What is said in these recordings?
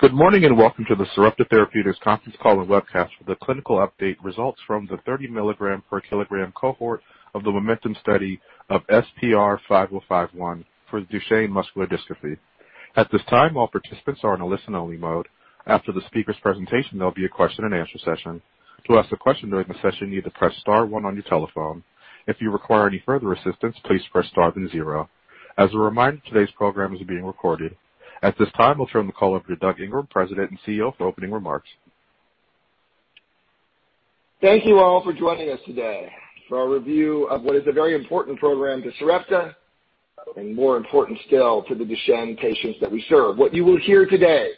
Good morning and welcome to the Sarepta Therapeutics conference call and webcast for the clinical update results from the 30 mg/kg cohort of the MOMENTUM study of SRP-5051 for Duchenne muscular dystrophy. At this time, all participants are in a listen-only mode. After the speaker's presentation, there will be a question and answer session. To ask a question during the session, you either press star one on your telephone. If you require any further assistance, please press star then zero. As a reminder, today's program is being recorded. At this time, I will turn the call over to Doug Ingram, President and CEO, for opening remarks. Thank you all for joining us today for our review of what is a very important program to Sarepta, and more important still, to the Duchenne patients that we serve. What you will hear today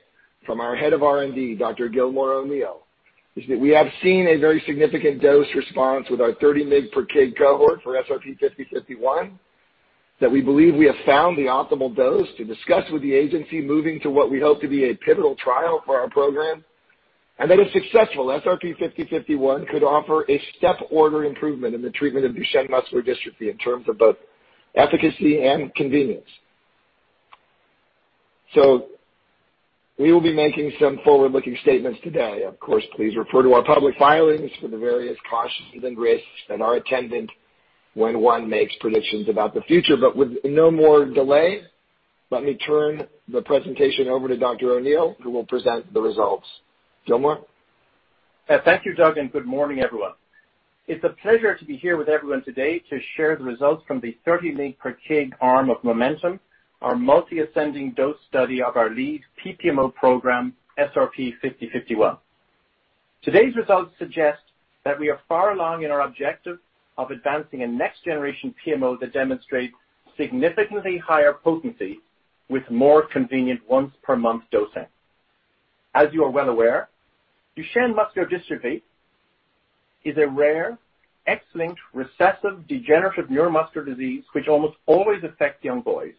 from our head of R&D, Dr. Gilmore O'Neill, is that we have seen a very significant dose response with our 30 mg/kg cohort for SRP-5051, that we believe we have found the optimal dose to discuss with the agency moving to what we hope to be a pivotal trial for our program, and that if successful, SRP-5051 could offer a step order improvement in the treatment of Duchenne muscular dystrophy in terms of both efficacy and convenience. We will be making some forward-looking statements today. Of course, please refer to our public filings for the various cautions and risks that are attendant when one makes predictions about the future. With no more delay, let me turn the presentation over to Dr. O'Neill, who will present the results. Gilmore. Thank you, Doug. Good morning, everyone. It's a pleasure to be here with everyone today to share the results from the 30 mg/kg arm of MOMENTUM, our multi-ascending dose study of our lead PPMO program, SRP-5051. Today's results suggest that we are far along in our objective of advancing a next generation PMO that demonstrates significantly higher potency with more convenient once per month dosing. As you are well aware, Duchenne muscular dystrophy is a rare, X-linked, recessive, degenerative neuromuscular disease which almost always affects young boys.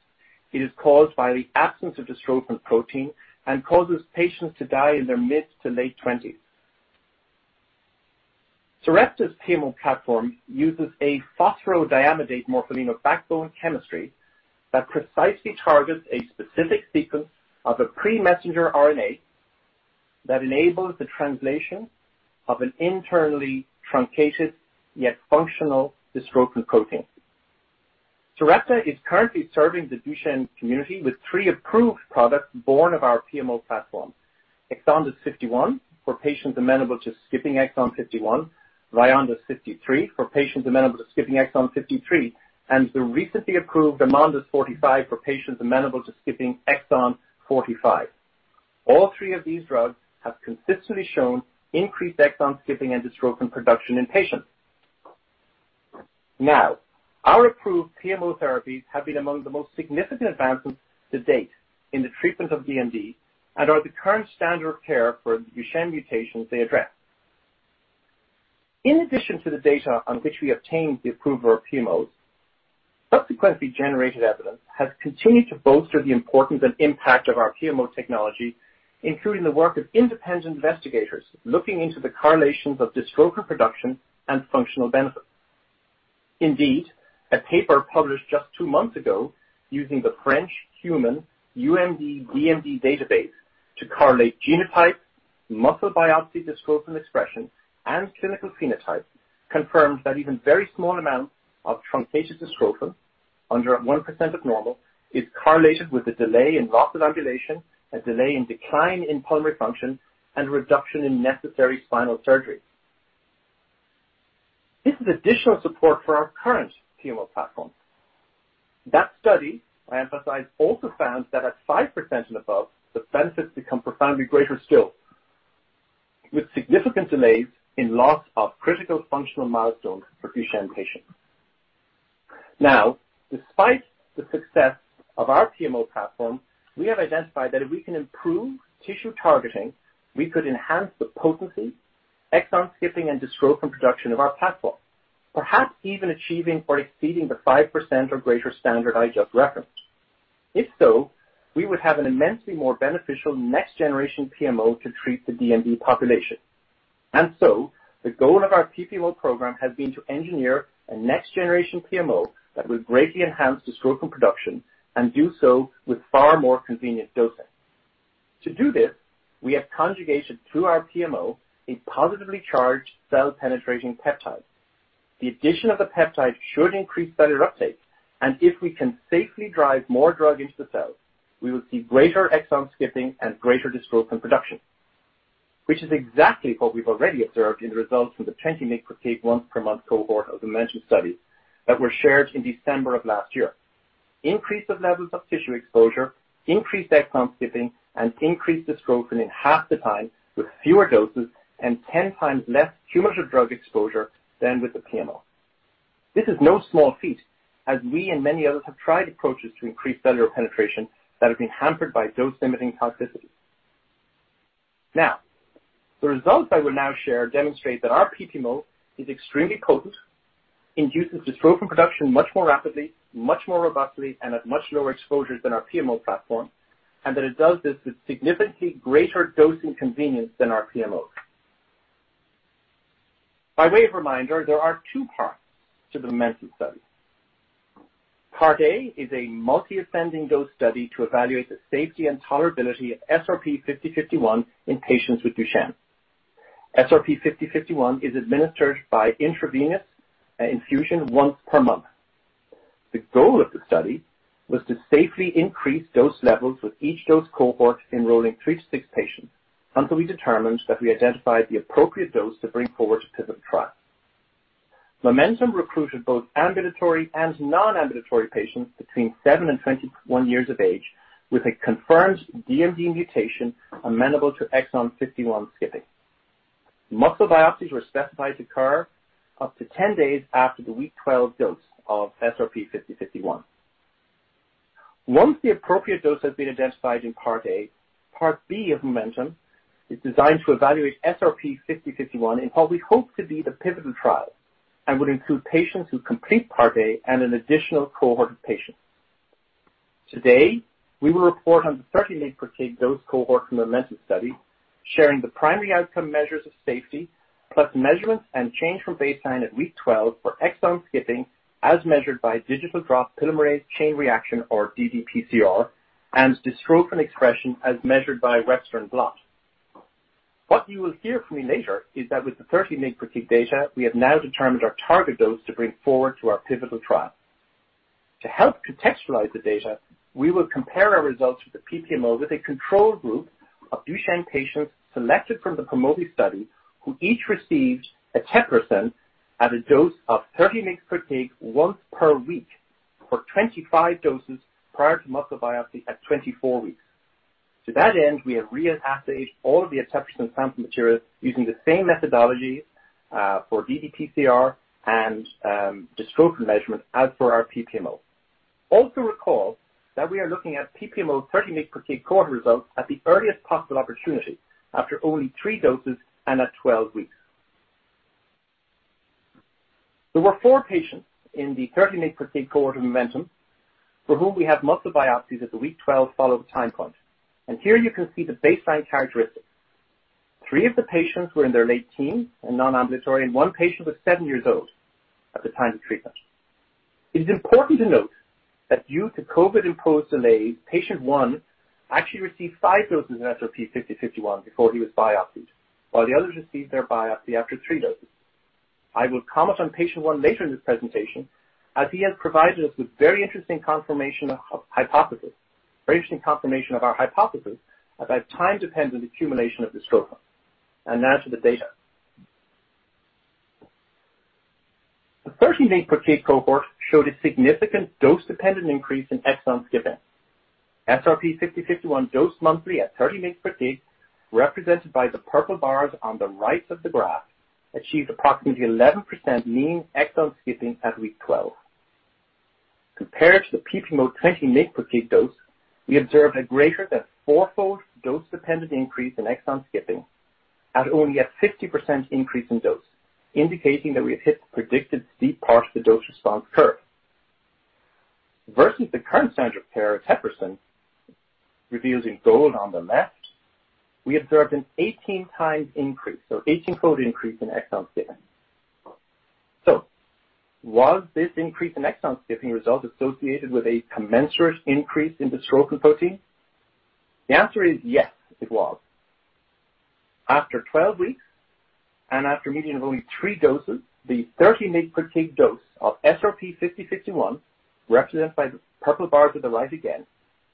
It is caused by the absence of dystrophin protein and causes patients to die in their mid to late 20s. Sarepta's PMO platform uses a phosphorodiamidate morpholino backbone chemistry that precisely targets a specific sequence of a pre-messenger RNA that enables the translation of an internally truncated, yet functional dystrophin protein. Sarepta is currently serving the Duchenne community with three approved products born of our PMO platform. EXONDYS 51 for patients amenable to skipping exon 51, VYONDYS 53 for patients amenable to skipping exon 53, and the recently approved AMONDYS 45 for patients amenable to skipping exon 45. All three of these drugs have consistently shown increased exon skipping and dystrophin production in patients. Now, our approved PMO therapies have been among the most significant advancements to date in the treatment of DMD and are the current standard of care for the Duchenne mutations they address. In addition to the data on which we obtained the approval of PMOs, subsequently generated evidence has continued to bolster the importance and impact of our PMO technology, including the work of independent investigators looking into the correlations of dystrophin production and functional benefits. Indeed, a paper published just two months ago using the French human UMD-DMD database to correlate genotype, muscle biopsy dystrophin expression, and clinical phenotype confirmed that even very small amounts of truncated dystrophin, under 1% of normal, is correlated with a delay in loss of ambulation, a delay in decline in pulmonary function, and reduction in necessary spinal surgery. This is additional support for our current PMO platform. That study, I emphasize, also found that at 5% and above, the benefits become profoundly greater still, with significant delays in loss of critical functional milestones for Duchenne patients. Now, despite the success of our PMO platform, we have identified that if we can improve tissue targeting, we could enhance the potency, exon skipping, and dystrophin production of our platform, perhaps even achieving or exceeding the 5% or greater standard I just referenced. If so, we would have an immensely more beneficial next generation PMO to treat the DMD population. The goal of our PPMO program has been to engineer a next generation PMO that will greatly enhance dystrophin production and do so with far more convenient dosing. To do this, we have conjugated to our PMO a positively charged cell-penetrating peptide. The addition of the peptide should increase cellular uptake, and if we can safely drive more drug into the cell, we will see greater exon skipping and greater dystrophin production, which is exactly what we've already observed in the results from the 20 mg/kg once per month cohort of the MOMENTUM study that were shared in December of last year. Increase of levels of tissue exposure, increased exon skipping, and increased dystrophin in half the time with fewer doses and 10 times less cumulative drug exposure than with the PMO. This is no small feat, as we and many others have tried approaches to increase cellular penetration that have been hampered by dose-limiting toxicity. Now, the results I will now share demonstrate that our PPMO is extremely potent, induces dystrophin production much more rapidly, much more robustly, and at much lower exposures than our PMO platform, and that it does this with significantly greater dosing convenience than our PMOs. By way of reminder, there are two parts to the MOMENTUM study. Part A is a multi-ascending dose study to evaluate the safety and tolerability of SRP-5051 in patients with Duchenne. SRP-5051 is administered by intravenous infusion once per month. The goal of the study was to safely increase dose levels with each dose cohort enrolling three to six patients until we determined that we identified the appropriate dose to bring forward to pivotal trial. MOMENTUM recruited both ambulatory and non-ambulatory patients between seven and 21 years of age with a confirmed DMD mutation amenable to exon 51 skipping. Muscle biopsies were specified to occur up to 10 days after the week 12 dose of SRP-5051. Once the appropriate dose has been identified in part A, part B of MOMENTUM is designed to evaluate SRP-5051 in what we hope to be the pivotal trial and would include patients who complete part A and an additional cohort of patients. Today, we will report on the 30 mg/kg dose cohort from the MOMENTUM study, sharing the primary outcome measures of safety, plus measurements and change from baseline at week 12 for exon skipping, as measured by digital droplet polymerase chain reaction or ddPCR, and dystrophin expression as measured by Western blot. What you will hear from me later is that with the 30 mg/kg data, we have now determined our target dose to bring forward to our pivotal trial. To help contextualize the data, we will compare our results with the PPMO with a control group of Duchenne patients selected from the PROMOVI study, who each received eteplirsen at a dose of 30 mg/kg once per week for 25 doses prior to muscle biopsy at 24 weeks. To that end, we have re-assayed all of the eteplirsen sample materials using the same methodology for ddPCR and dystrophin measurements as for our PPMO. Recall that we are looking at PPMO 30 mg/kg cohort results at the earliest possible opportunity after only three doses and at 12 weeks. There were four patients in the 30 mg/kg cohort in MOMENTUM for whom we have muscle biopsies at the week 12 follow-up time point. Here you can see the baseline characteristics. Three of the patients were in their late teens and non-ambulatory, and one patient was seven years old at the time of treatment. It is important to note that due to COVID-imposed delays, patient one actually received five doses of SRP-5051 before he was biopsied, while the others received their biopsy after three doses. I will comment on patient one later in this presentation, as he has provided us with very interesting confirmation of our hypothesis about time-dependent accumulation of dystrophin. Now to the data. The 30 mg/kg cohort showed a significant dose-dependent increase in exon skipping. SRP-5051 dosed monthly at 30 mg/kg, represented by the purple bars on the right of the graph, achieved approximately 11% mean exon skipping at week 12. Compared to the PPMO 20 mg/kg dose, we observed a greater than four-fold dose-dependent increase in exon skipping at only a 50% increase in dose, indicating that we have hit the predicted steep part of the dose response curve. Versus the current standard of care, eteplirsen, revealed in gold on the left, we observed an 18 times increase, so 18-fold increase in exon skipping. Was this increase in exon skipping result associated with a commensurate increase in dystrophin protein? The answer is yes, it was. After 12 weeks and after a median of only three doses, the 30 mg/kg dose of SRP-5051, represented by the purple bars at the right again,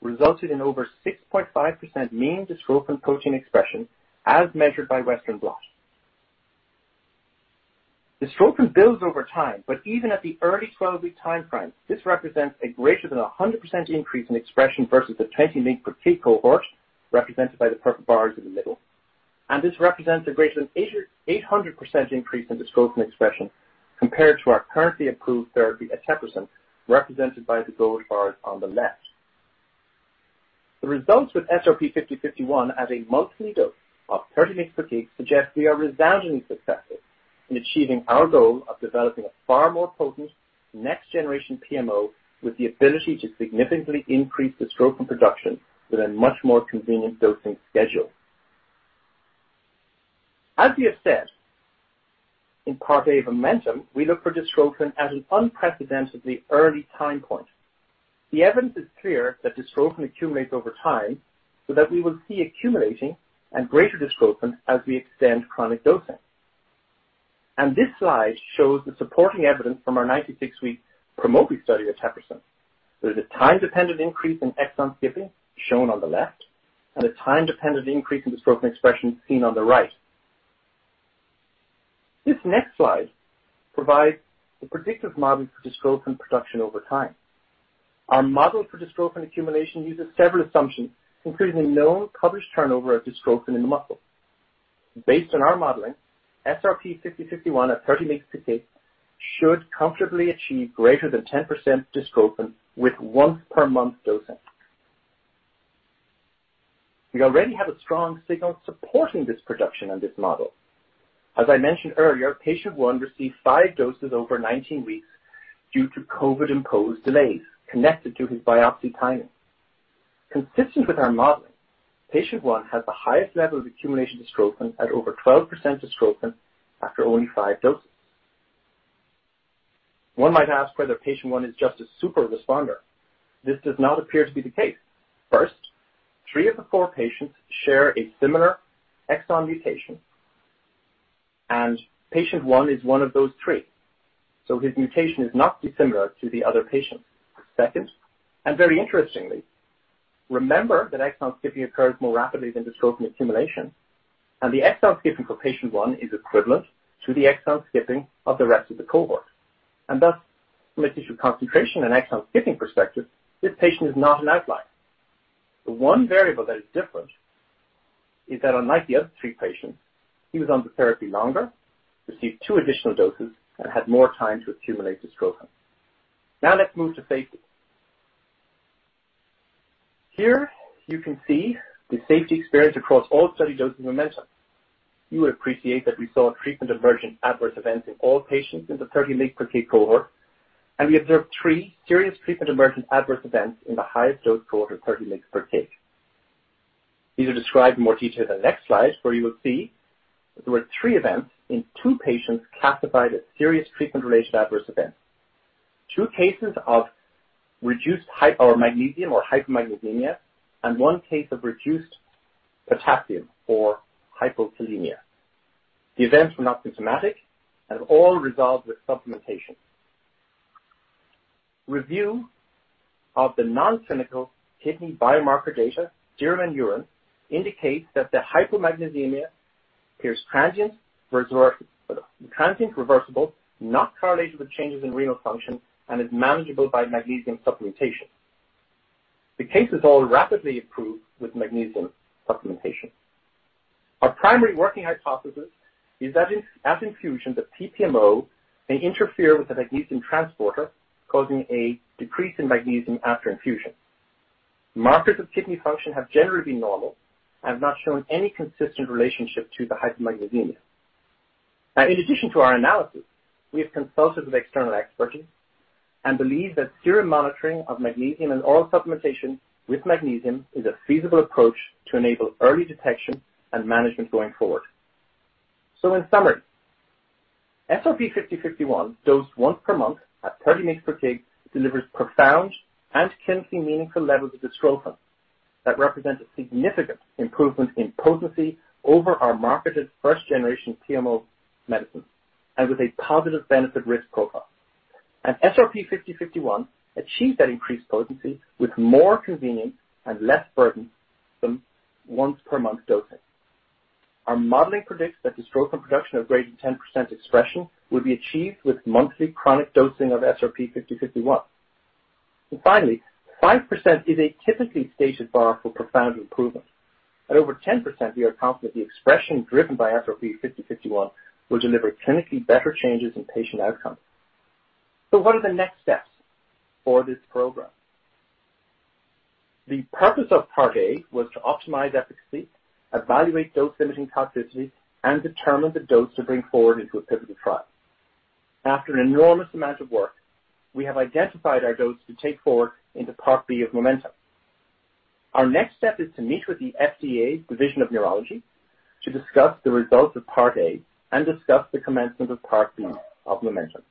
resulted in over 6.5% mean dystrophin protein expression as measured by Western blot. Dystrophin builds over time, but even at the early 12-week time frame, this represents a greater than 100% increase in expression versus the 20 mg/kg cohort, represented by the purple bars in the middle. This represents a greater than 800% increase in dystrophin expression compared to our currently approved therapy, eteplirsen, represented by the gold bars on the left. The results with SRP-5051 at a monthly dose of 30 mg/kg suggest we are resoundingly successful in achieving our goal of developing a far more potent next generation PMO with the ability to significantly increase dystrophin production with a much more convenient dosing schedule. As we have said, in part A of MOMENTUM, we look for dystrophin at an unprecedentedly early time point. The evidence is clear that dystrophin accumulates over time, so that we will see accumulating and greater dystrophin as we extend chronic dosing. This slide shows the supporting evidence from our 96-week PROMOVI study of eteplirsen. There is a time-dependent increase in exon skipping, shown on the left, and a time-dependent increase in dystrophin expression seen on the right. This next slide provides the predictive model for dystrophin production over time. Our model for dystrophin accumulation uses several assumptions, including a known coverage turnover of dystrophin in the muscle. Based on our modeling, SRP-5051 at 30 mg/kg should comfortably achieve greater than 10% dystrophin with once per month dosing. We already have a strong signal supporting this production on this model. As I mentioned earlier, patient one received five doses over 19 weeks due to COVID-imposed delays connected to his biopsy timing. Consistent with our modeling, patient one has the highest level of accumulation of dystrophin at over 12% dystrophin after only five doses. One might ask whether patient one is just a super responder. This does not appear to be the case. First, three of the four patients share a similar exon mutation, and patient one is one of those three, so his mutation is not dissimilar to the other patients. Second, very interestingly, remember that exon skipping occurs more rapidly than dystrophin accumulation, and the exon skipping for patient one is equivalent to the exon skipping of the rest of the cohort. Thus, from a tissue concentration and exon skipping perspective, this patient is not an outlier. The one variable that is different is that unlike the other three patients, he was on the therapy longer, received two additional doses, and had more time to accumulate dystrophin. Now let's move to safety. Here, you can see the safety experience across all study doses of MOMENTUM. You will appreciate that we saw treatment emergent adverse events in all patients in the 30 mg/kg cohort. We observed three serious treatment emergent adverse events in the highest dose cohort of 30 mg/kg. These are described in more detail in the next slide, where you will see that there were three events in two patients classified as serious treatment-related adverse events. Two cases of reduced magnesium or hypomagnesemia, and one case of reduced potassium or hypokalemia. The events were not symptomatic and all resolved with supplementation. Review of the non-clinical kidney biomarker data, serum and urine, indicates that the hypomagnesemia appears transient, reversible, not correlated with changes in renal function, and is manageable by magnesium supplementation. The cases all rapidly improved with magnesium supplementation. Our primary working hypothesis is that as infusion, the PMO may interfere with the magnesium transporter, causing a decrease in magnesium after infusion. Markers of kidney function have generally been normal and have not shown any consistent relationship to the hypomagnesemia. In addition to our analysis, we have consulted with external expertise and believe that serum monitoring of magnesium and oral supplementation with magnesium is a feasible approach to enable early detection and management going forward. In summary, SRP-5051 dosed once per month at 30 mg/kg delivers profound and clinically meaningful levels of dystrophin that represent a significant improvement in potency over our marketed first generation PMO medicine, and with a positive benefit-risk profile. SRP-5051 achieved that increased potency with more convenient and less burdensome once per month dosing. Our modeling predicts that dystrophin production of greater than 10% expression will be achieved with monthly chronic dosing of SRP-5051. Finally, 5% is a typically stated bar for profound improvement. At over 10%, we are confident the expression driven by SRP-5051 will deliver clinically better changes in patient outcome. What are the next steps for this program? The purpose of Part A was to optimize efficacy, evaluate dose-limiting toxicity, and determine the dose to bring forward into a pivotal trial. After an enormous amount of work, we have identified our dose to take forward into Part B of MOMENTUM. Our next step is to meet with the FDA Division of Neurology to discuss the results of Part A and discuss the commencement of Part B of MOMENTUM.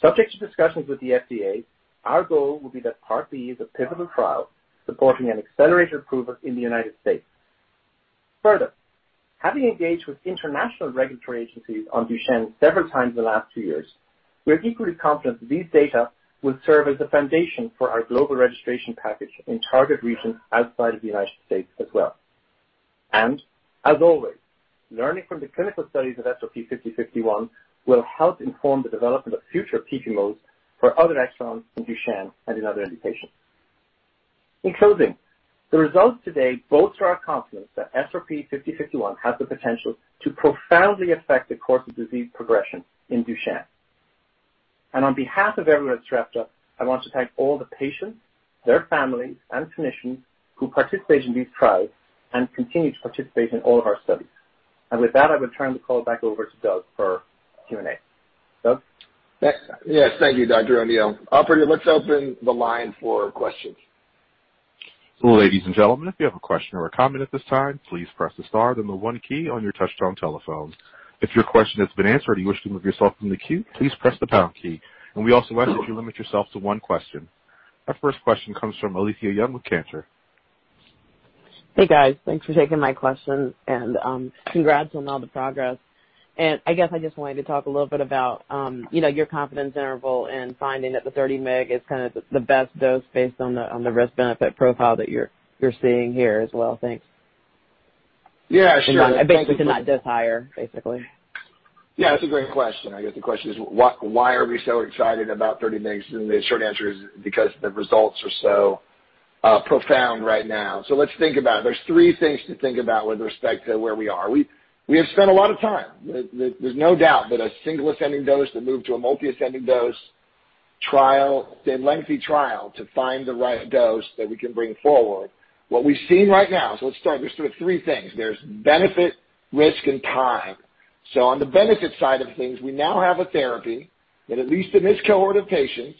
Subject to discussions with the FDA, our goal will be that Part B is a pivotal trial supporting an accelerated approval in the U.S. Having engaged with international regulatory agencies on Duchenne several times in the last two years, we are equally confident that these data will serve as the foundation for our global registration package in target regions outside of the U.S. as well. As always, learning from the clinical studies of SRP-5051 will help inform the development of future PMOs for other exons in Duchenne and in other indications. In closing, the results today bolster our confidence that SRP-5051 has the potential to profoundly affect the course of disease progression in Duchenne. On behalf of everyone at Sarepta, I want to thank all the patients, their families, and clinicians who participate in these trials and continue to participate in all of our studies. With that, I would turn the call back over to Doug for Q&A. Doug? Yes. Thank you, Dr. O'Neill. Operator, let's open the line for questions. Ladies and gentlemen, if you have a question or a comment at this time, please press the star, then the one key on your touchtone telephone. If your question has been answered and you wish to remove yourself from the queue, please press the pound key. We also ask that you limit yourself to one question. Our first question comes from Alethia Young with Cantor Fitzgerald. Hey, guys. Thanks for taking my question and congrats on all the progress. I guess I just wanted to talk a little bit about your confidence interval and finding that the 30 mg is the best dose based on the risk-benefit profile that you're seeing here as well. Thanks. Yeah, sure. Basically to not dose higher, basically. Yeah, that's a great question. I guess the question is, why are we so excited about 30 mg? The short answer is because the results are so profound right now. Let's think about it. There's three things to think about with respect to where we are. We have spent a lot of time. There's no doubt that a single ascending dose that moved to a multi-ascending dose trial, it's been a lengthy trial to find the right dose that we can bring forward. What we've seen right now, let's start, there's sort of three things. There's benefit, risk, and time. On the benefit side of things, we now have a therapy that, at least in this cohort of patients,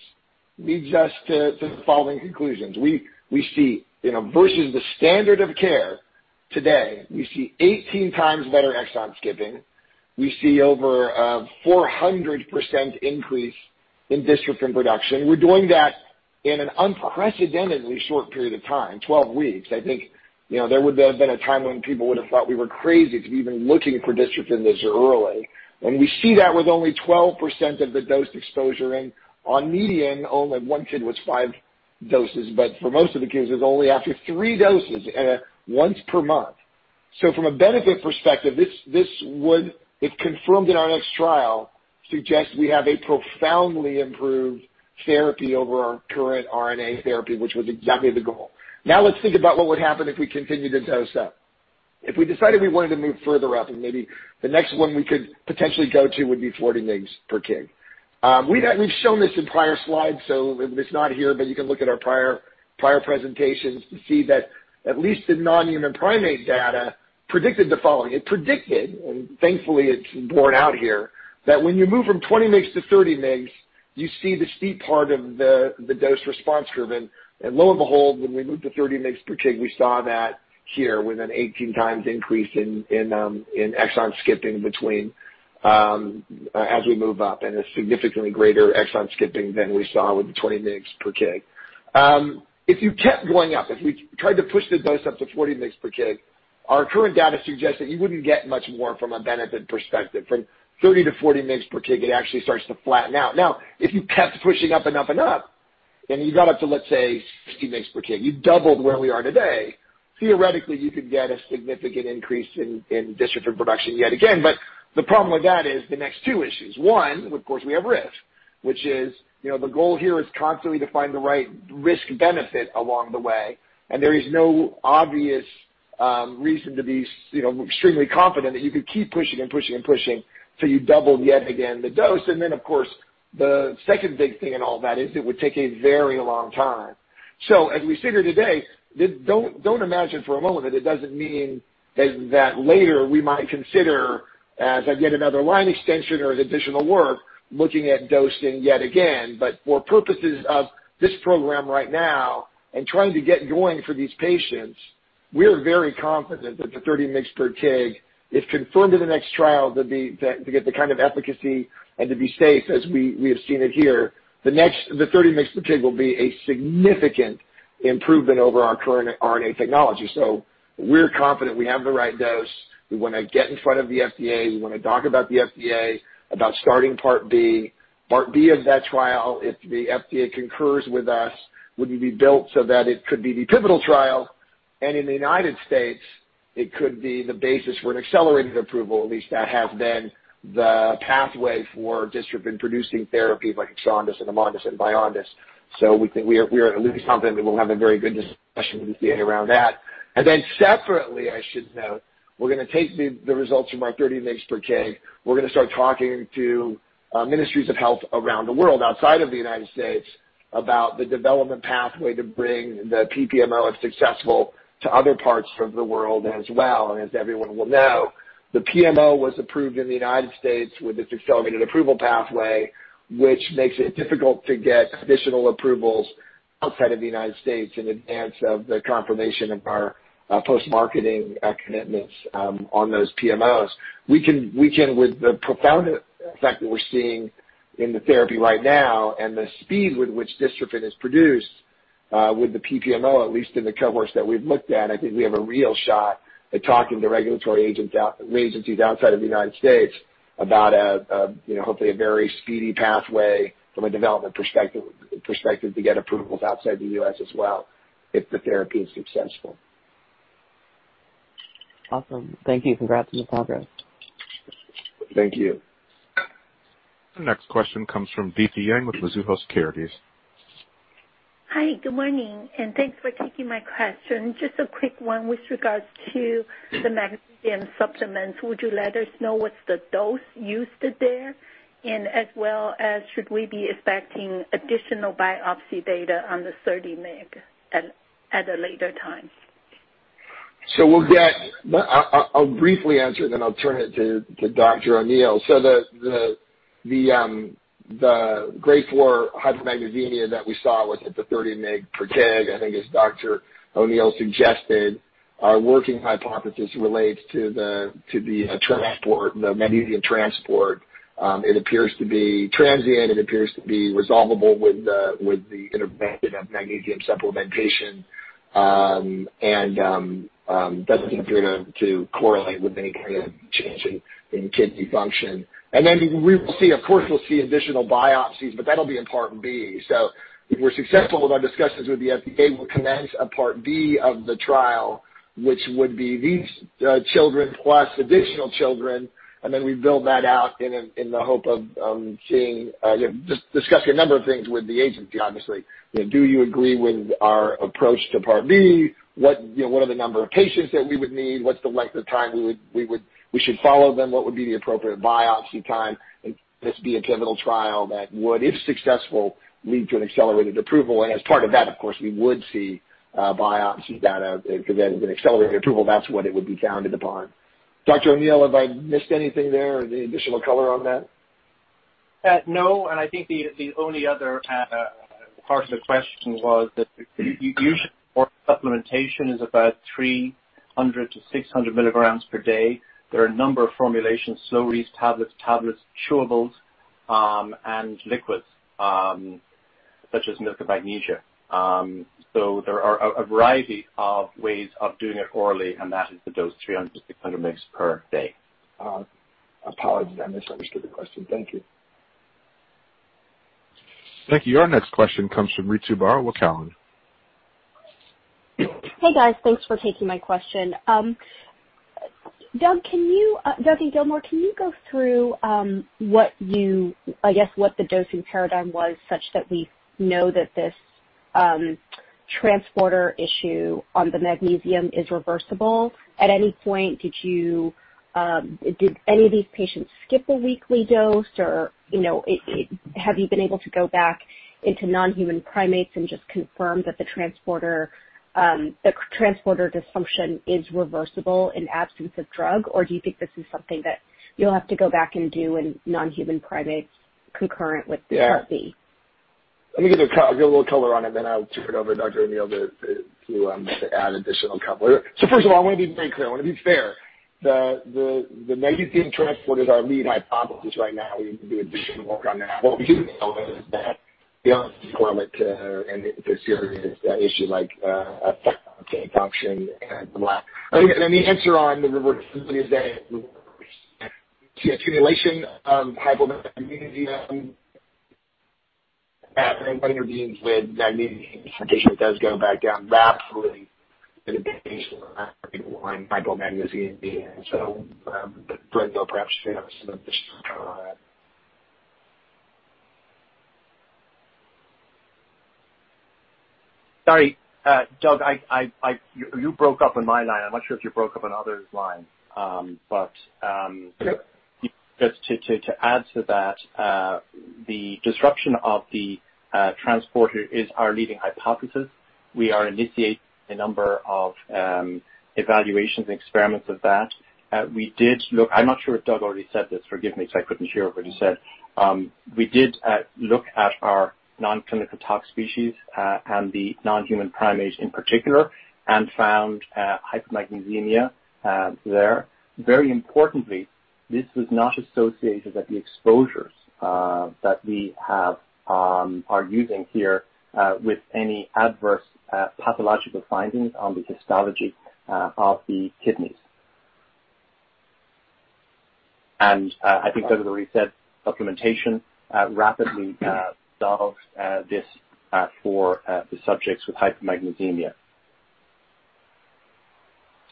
leads us to the following conclusions. Versus the standard of care today, we see 18 times better exon skipping. We see over a 400% increase in dystrophin production. We're doing that in an unprecedentedly short period of time, 12 weeks. I think there would have been a time when people would have thought we were crazy to be even looking for dystrophin this early. We see that with only 12% of the dose exposure, on median, only one kid was five doses, but for most of the kids, it was only after three doses at once per month. From a benefit perspective, if confirmed in our next trial, suggests we have a profoundly improved therapy over our current RNA therapy, which was exactly the goal. Let's think about what would happen if we continued to dose up. If we decided we wanted to move further up, and maybe the next one we could potentially go to would be 40 mg/kg. We've shown this in prior slides, so it's not here, but you can look at our prior presentations to see that at least the non-human primate data predicted the following. It predicted, and thankfully it's borne out here, that when you move from 20 mg to 30 mg, you see the steep part of the dose response curve. Lo and behold, when we moved to 30 mg/kg, we saw that here with an 18 times increase in exon skipping between as we move up and a significantly greater exon skipping than we saw with the 20 mg/kg. If you kept going up, if we tried to push the dose up to 40 mg/kg, our current data suggests that you wouldn't get much more from a benefit perspective. From 30 to 40 mg/kg, it actually starts to flatten out. If you kept pushing up and up and up, and you got up to, let's say, 60 mg/kg, you doubled where we are today. Theoretically, you could get a significant increase in dystrophin production yet again. The problem with that is the next two issues. One, of course, we have risk, which is the goal here is constantly to find the right risk-benefit along the way, and there is no obvious reason to be extremely confident that you could keep pushing and pushing and pushing till you double yet again the dose. Then, of course, the second big thing in all that is it would take a very long time. As we sit here today, don't imagine for a moment that it doesn't mean that later we might consider as yet another line extension or additional work looking at dosing yet again. For purposes of this program right now and trying to get going for these patients, we're very confident that the 30 mg/kg, if confirmed in the next trial to get the kind of efficacy and to be safe as we have seen it here, the 30 mg/kg will be a significant improvement over our current RNA technology. We're confident we have the right dose. We want to get in front of the FDA. We want to talk about the FDA, about starting Part B. Part B of that trial, if the FDA concurs with us, would be built so that it could be the pivotal trial. In the United States, it could be the basis for an accelerated approval. At least that has been the pathway for dystrophin-producing therapy like EXONDYS and AMONDYS and VYONDYS. We are at least confident we will have a very good discussion with the FDA around that. Separately, I should note, we're going to take the results from our 30 mg/kg. We're going to start talking to ministries of health around the world, outside of the United States, about the development pathway to bring the PPMO, if successful, to other parts of the world as well. As everyone will know, the PMO was approved in the United States with this accelerated approval pathway, which makes it difficult to get additional approvals outside of the United States in advance of the confirmation of our post-marketing commitments on those PMOs. With the profound effect that we're seeing in the therapy right now and the speed with which dystrophin is produced with the PPMO, at least in the cohorts that we've looked at, I think we have a real shot at talking to regulatory agencies outside of the United States about hopefully a very speedy pathway from a development perspective to get approvals outside the U.S. as well if the therapy is successful. Awesome. Thank you. Congrats on the progress. Thank you. The next question comes from Difei Yang with Mizuho Securities. Hi, good morning, and thanks for taking my question. Just a quick one with regards to the magnesium supplements. Would you let us know what's the dose used there, and as well as should we be expecting additional biopsy data on the 30 mg at a later time? I'll briefly answer, then I'll turn it to Dr. O'Neill. The grade 4 hypomagnesemia that we saw was at the 30 mg/kg. I think as Dr. O'Neill suggested, our working hypothesis relates to the transport, the magnesium transport. It appears to be transient. It appears to be resolvable with the intervention of magnesium supplementation, and doesn't appear to correlate with any kind of change in kidney function. We will see, of course, we'll see additional biopsies, but that'll be in Part B. If we're successful with our discussions with the FDA, we'll commence a Part B of the trial, which would be these children plus additional children, and then we build that out in the hope of seeing, just discuss a number of things with the agency, obviously. Do you agree with our approach to Part B? What are the number of patients that we would need? What's the length of time we should follow them? What would be the appropriate biopsy time? Could this be a pivotal trial that would, if successful, lead to an accelerated approval? As part of that, of course, we would see biopsy data because that is an accelerated approval. That's what it would be founded upon. Dr. O'Neill, have I missed anything there? Any additional color on that? No, I think the only other part of the question was that the usual supplementation is about 300-600 mg per day. There are a number of formulations, slow-release tablets, chewables, and liquids, such as Milk of Magnesia. There are a variety of ways of doing it orally, and that is the dose, 300-600 mg per day. Apologies, I misunderstood the question. Thank you. Thank you. Our next question comes from Ritu Baral with Cowen. Hey, guys. Thanks for taking my question. Doug, can you, Doug and Gilmore, can you go through, I guess, what the dosing paradigm was such that we know that this transporter issue on the magnesium is reversible? At any point, did any of these patients skip a weekly dose? Have you been able to go back into non-human primates and just confirm that the transporter dysfunction is reversible in absence of drug? Do you think this is something that you'll have to go back and do in non-human primates concurrent with. Yeah Part B? Let me give a little color on it, then I'll turn it over to Dr. O'Neill to add additional color. First of all, I want to be very clear. I want to be fair. The magnesium transporter is our lead hypothesis right now. We need to do additional work on that. What we do know is that beyond and this here is the issue, like effect on function and the lack. Let me answer on the accumulation of hypomagnesemia after intervening with magnesium. In addition, it does go back down rapidly in a patient on hypomagnesemia. But Dr. O'Neill, though perhaps you have some additional color on that. Sorry, Doug, you broke up on my line. I'm not sure if you broke up on others' lines. Okay just to add to that, the disruption of the transporter is our leading hypothesis. We are initiating a number of evaluations and experiments of that. I'm not sure if Doug already said this. Forgive me if I couldn't hear what he said. We did look at our non-clinical tox species, and the non-human primates in particular, and found hypomagnesemia there. Very importantly, this was not associated with the exposures that we are using here with any adverse pathological findings on the histology of the kidneys. I think Doug already said supplementation rapidly solves this for the subjects with hypomagnesemia.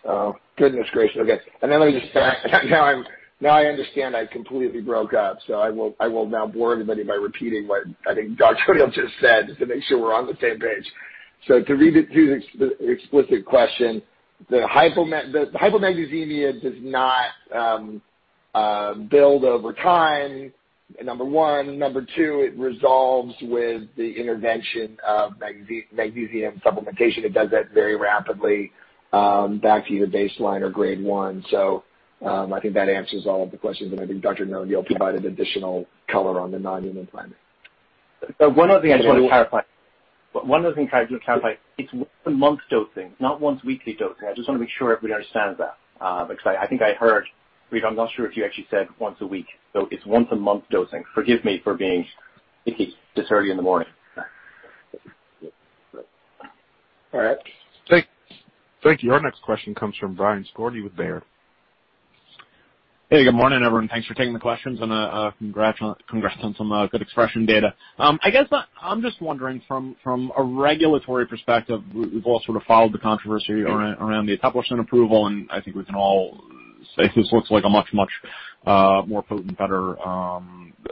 Oh, goodness gracious. Okay. Let me just now I understand I completely broke up, I will now bore everybody by repeating what I think Dr. O'Neill just said to make sure we're on the same page. To read it through the explicit question, the hypomagnesemia does not build over time, number one. Number two, it resolves with the intervention of magnesium supplementation. It does that very rapidly back to either baseline or grade one. I think that answers all of the questions, and I think Dr. O'Neill provided additional color on the non-human primate. One of the things I want to clarify, it's once-a-month dosing, not once-weekly dosing. I just want to make sure everybody understands that. I think I heard, Ritu, I'm not sure if you actually said once a week. It's once-a-month dosing. Forgive me for being picky this early in the morning. All right. Thank you. Your next question comes from Brian Skorney with Baird. Hey, good morning, everyone. Thanks for taking the questions and congrats on some good expression data. I guess I'm just wondering from a regulatory perspective, we've all sort of followed the controversy around the eteplirsen approval, and I think we can all say this looks like a much, much more potent, better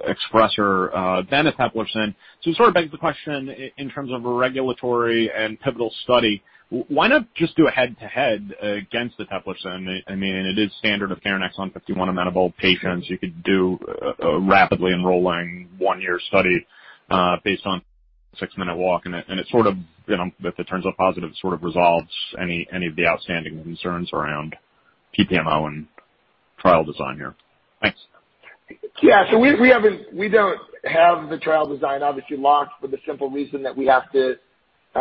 expressor than eteplirsen. It sort of begs the question in terms of a regulatory and pivotal study, why not just do a head-to-head against eteplirsen? I mean, it is standard of care in exon 51 amenable patients. You could do a rapidly enrolling one-year study based on six-minute walk and it sort of, if it turns up positive, sort of resolves any of the outstanding concerns around PPMO and trial design here. Thanks. Yeah, we don't have the trial design obviously locked for the simple reason that we have to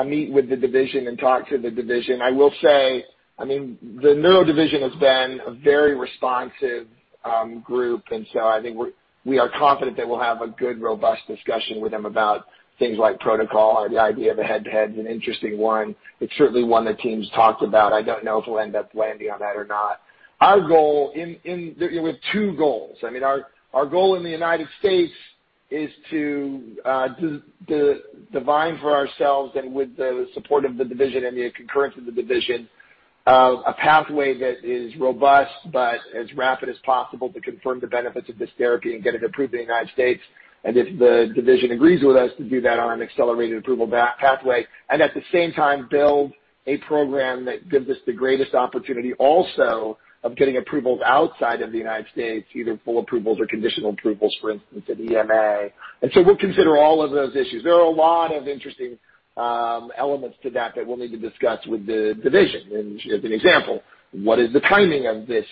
meet with the division and talk to the division. I will say, I mean, the neuro division has been a very responsive group. I think we are confident that we'll have a good, robust discussion with them about things like protocol. The idea of a head-to-head is an interesting one. It's certainly one the team's talked about. I don't know if we'll end up landing on that or not. We have two goals. I mean, our goal in the United States is to divine for ourselves and with the support of the division and the concurrence of the division, a pathway that is robust but as rapid as possible to confirm the benefits of this therapy and get it approved in the United States. If the division agrees with us to do that on an accelerated approval pathway. At the same time build a program that gives us the greatest opportunity also of getting approvals outside of the United States, either full approvals or conditional approvals, for instance, at EMA. We'll consider all of those issues. There are a lot of interesting elements to that that we'll need to discuss with the division. As an example, what is the timing of this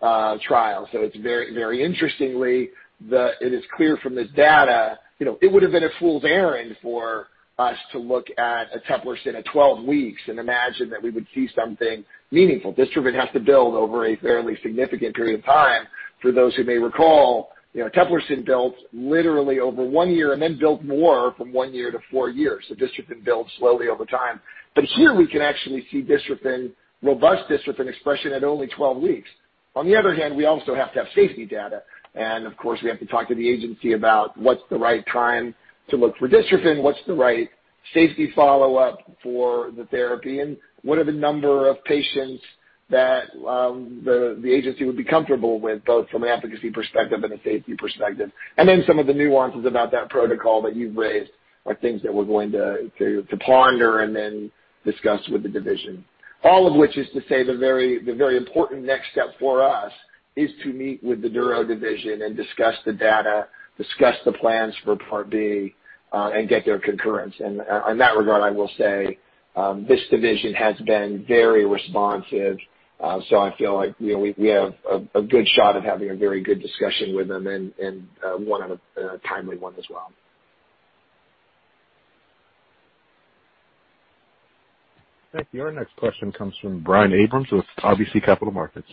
trial. It's very interestingly, it is clear from the data, it would have been a fool's errand for us to look at eteplirsen at 12 weeks and imagine that we would see something meaningful. Dystrophin has to build over a fairly significant period of time. For those who may recall, eteplirsen built literally over one year and then built more from one year to four years. Dystrophin builds slowly over time. Here we can actually see robust dystrophin expression at only 12 weeks. On the other hand, we also have to have safety data, and of course, we have to talk to the agency about what's the right time to look for dystrophin, what's the right safety follow-up for the therapy, and what are the number of patients that the agency would be comfortable with, both from an efficacy perspective and a safety perspective. Some of the nuances about that protocol that you've raised are things that we're going to ponder and then discuss with the division. All of which is to say, the very important next step for us is to meet with the neuro division and discuss the data, discuss the plans for part B, and get their concurrence. In that regard, I will say, this division has been very responsive. I feel like we have a good shot at having a very good discussion with them and one of a timely one as well. Thank you. Our next question comes from Brian Abrahams with RBC Capital Markets.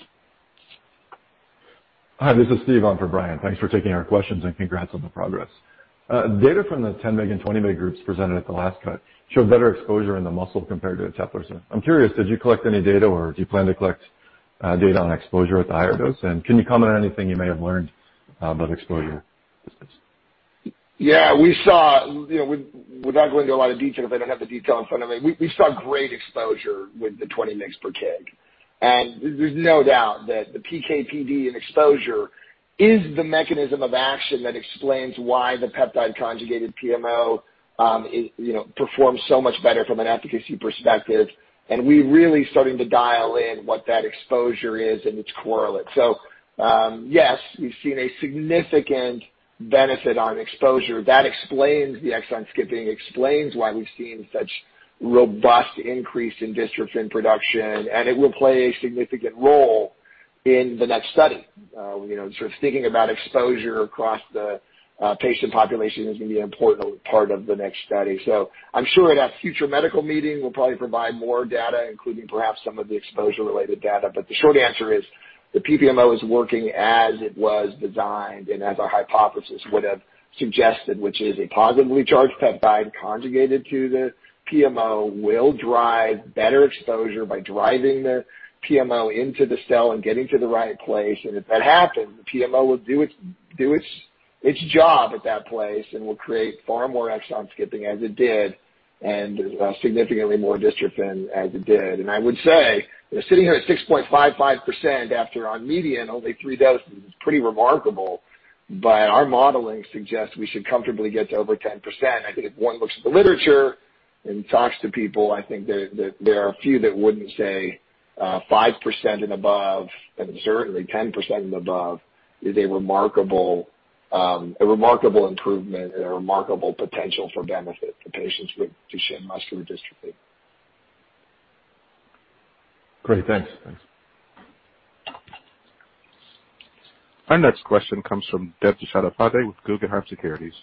Hi, this is Steve on for Brian. Thanks for taking our questions and congrats on the progress. Data from the 10-mg and 20-mg groups presented at the last cut showed better exposure in the muscle compared to the eteplirsen. I'm curious, did you collect any data or do you plan to collect data on exposure at the higher dose? Can you comment on anything you may have learned about exposure at this stage? Yeah. Without going into a lot of detail, because I don't have the detail in front of me, we saw great exposure with the 20 mg/kg. There's no doubt that the PK/PD and exposure is the mechanism of action that explains why the peptide conjugated PMO performs so much better from an efficacy perspective. We're really starting to dial in what that exposure is and its correlate. Yes, we've seen a significant benefit on exposure. That explains the exon skipping, explains why we've seen such robust increase in dystrophin production, and it will play a significant role in the next study. Sort of thinking about exposure across the patient population is going to be an important part of the next study. I'm sure at a future medical meeting, we'll probably provide more data, including perhaps some of the exposure-related data. The short answer is the PPMO is working as it was designed and as our hypothesis would have suggested, which is a positively charged peptide conjugated to the PMO will drive better exposure by driving the PMO into the cell and getting to the right place. If that happens, the PMO will do its job at that place and will create far more exon skipping as it did, and significantly more dystrophin as it did. I would say, sitting here at 6.55% after on median, only three doses is pretty remarkable, but our modeling suggests we should comfortably get to over 10%. I think if one looks at the literature and talks to people, I think that there are a few that wouldn't say 5% and above, and certainly 10% and above is a remarkable improvement and a remarkable potential for benefit to patients with Duchenne muscular dystrophy. Great. Thanks. Our next question comes from Debjit Chattopadhyay with Guggenheim Securities.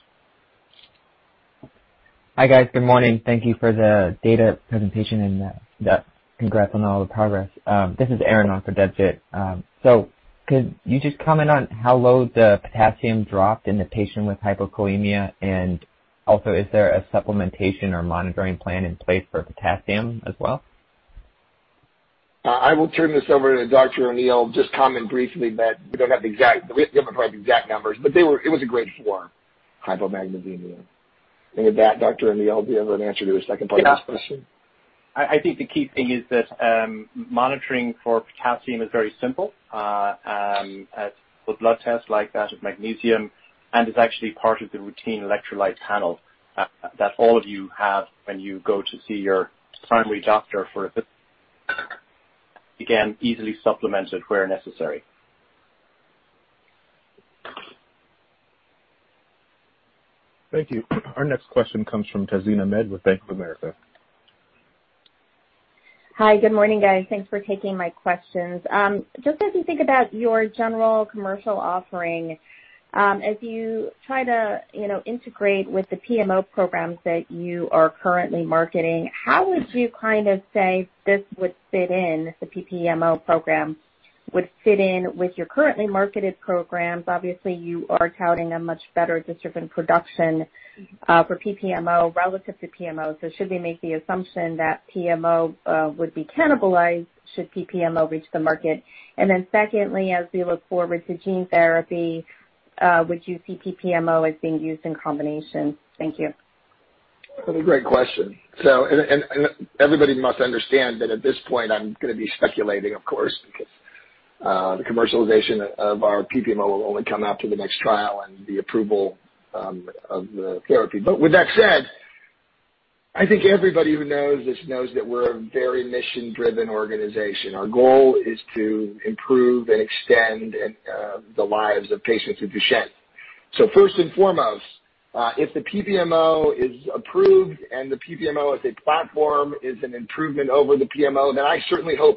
Hi, guys. Good morning. Thank you for the data presentation and congrats on all the progress. This is Aaron on for Debjit. Could you just comment on how low the potassium dropped in the patient with hypokalemia, and also is there a supplementation or monitoring plan in place for potassium as well? I will turn this over to Dr. O'Neill. Just comment briefly that we don't have the exact numbers, but it was a grade 4 hypomagnesemia. With that, Dr. O'Neill, do you have an answer to his second part of his question? I think the key thing is that monitoring for potassium is very simple. With blood tests like that of magnesium, and it's actually part of the routine electrolyte panel that all of you have when you go to see your primary doctor, easily supplemented where necessary. Thank you. Our next question comes from Tazeen Ahmad with Bank of America. Hi. Good morning, guys. Thanks for taking my questions. Just as you think about your general commercial offering, as you try to integrate with the PMO programs that you are currently marketing, how would you say this would fit in, the PPMO program would fit in with your currently marketed programs? Obviously, you are touting a much better dystrophin production for PPMO relative to PMO, so should we make the assumption that PMO would be cannibalized should PPMO reach the market? Secondly, as we look forward to gene therapy, would you see PPMO as being used in combination? Thank you. That's a great question. Everybody must understand that at this point, I'm going to be speculating, of course, because the commercialization of our PPMO will only come after the next trial and the approval of the therapy. With that said, I think everybody who knows this knows that we're a very mission-driven organization. Our goal is to improve and extend the lives of patients with Duchenne. First and foremost, if the PPMO is approved and the PPMO as a platform is an improvement over the PMO, then I certainly hope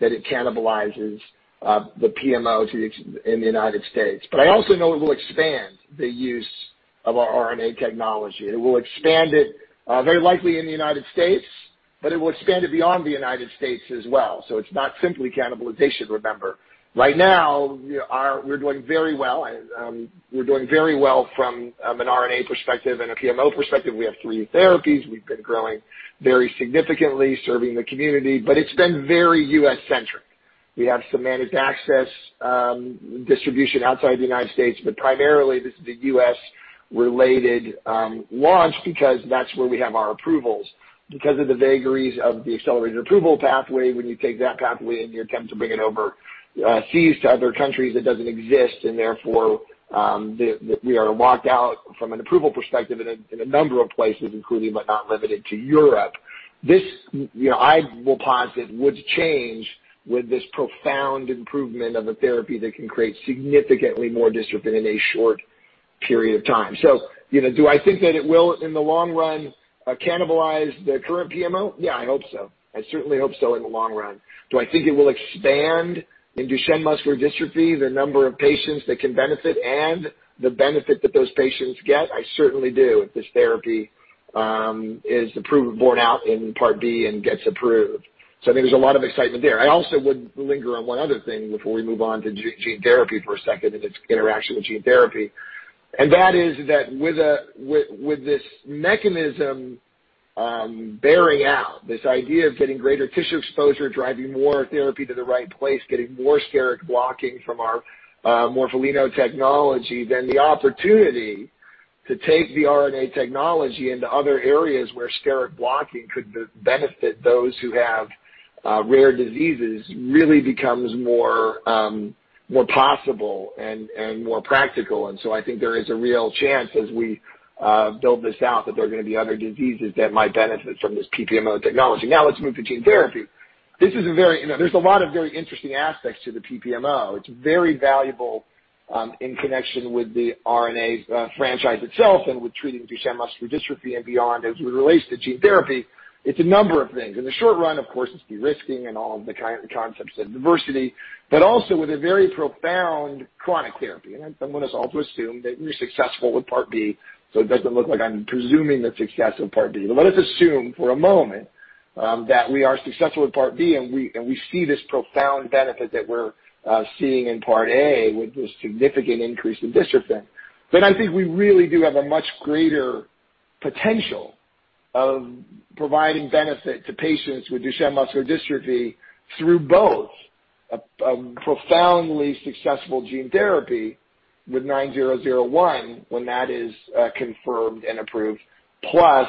that it cannibalizes the PMO in the U.S. I also know it will expand the use of our RNA technology. It will expand it very likely in the U.S., but it will expand it beyond the U.S. as well. It's not simply cannibalization, remember. Right now, we're doing very well from an RNA perspective and a PMO perspective. We have three therapies. We've been growing very significantly, serving the community, but it's been very U.S.-centric. We have some managed access distribution outside the United States, but primarily, this is a U.S.-related launch because that's where we have our approvals. Because of the vagaries of the accelerated approval pathway, when you take that pathway and you attempt to bring it overseas to other countries, it doesn't exist, and therefore, we are locked out from an approval perspective in a number of places, including but not limited to Europe. This, I will posit, would change with this profound improvement of a therapy that can create significantly more dystrophin in a short period of time. Do I think that it will, in the long run, cannibalize the current PMO? Yeah, I hope so. I certainly hope so in the long run. Do I think it will expand in Duchenne muscular dystrophy, the number of patients that can benefit and the benefit that those patients get? I certainly do, if this therapy is proven borne out in Part B and gets approved. I think there's a lot of excitement there. I also would linger on one other thing before we move on to gene therapy for a second, and its interaction with gene therapy. That is that with this mechanism bearing out, this idea of getting greater tissue exposure, driving more therapy to the right place, getting more steric blocking from our morpholino technology, then the opportunity to take the RNA technology into other areas where steric blocking could benefit those who have rare diseases really becomes more possible and more practical. I think there is a real chance as we build this out that there are going to be other diseases that might benefit from this PPMO technology. Let's move to gene therapy. There's a lot of very interesting aspects to the PPMO. It's very valuable in connection with the RNA franchise itself and with treating Duchenne muscular dystrophy and beyond. As it relates to gene therapy, it's a number of things. In the short run, of course, it's de-risking and all of the concepts of diversity, but also with a very profound chronic therapy. Let us all assume that you're successful with Part B, so it doesn't look like I'm presuming the success of Part B. Let us assume for a moment that we are successful with Part B and we see this profound benefit that we're seeing in Part A with this significant increase in dystrophin. I think we really do have a much greater potential of providing benefit to patients with Duchenne muscular dystrophy through both a profoundly successful gene therapy with SRP-9001 when that is confirmed and approved, plus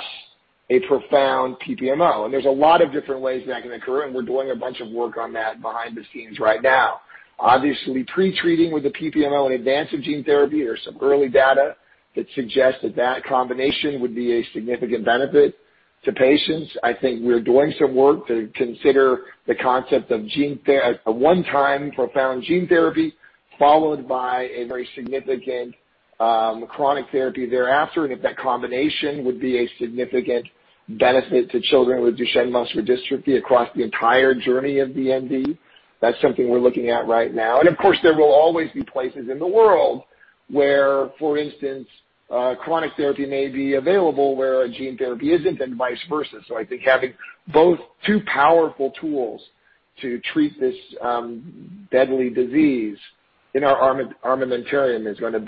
a profound PPMO. There's a lot of different ways that can occur, and we're doing a bunch of work on that behind the scenes right now. Obviously, pre-treating with the PPMO in advance of gene therapy, there's some early data that suggests that that combination would be a significant benefit to patients. I think we're doing some work to consider the concept of a one-time profound gene therapy followed by a very significant chronic therapy thereafter, and if that combination would be a significant benefit to children with Duchenne muscular dystrophy across the entire journey of DMD. That's something we're looking at right now. Of course, there will always be places in the world where, for instance, chronic therapy may be available where a gene therapy isn't, and vice versa. I think having both two powerful tools to treat this deadly disease in our armamentarium is going to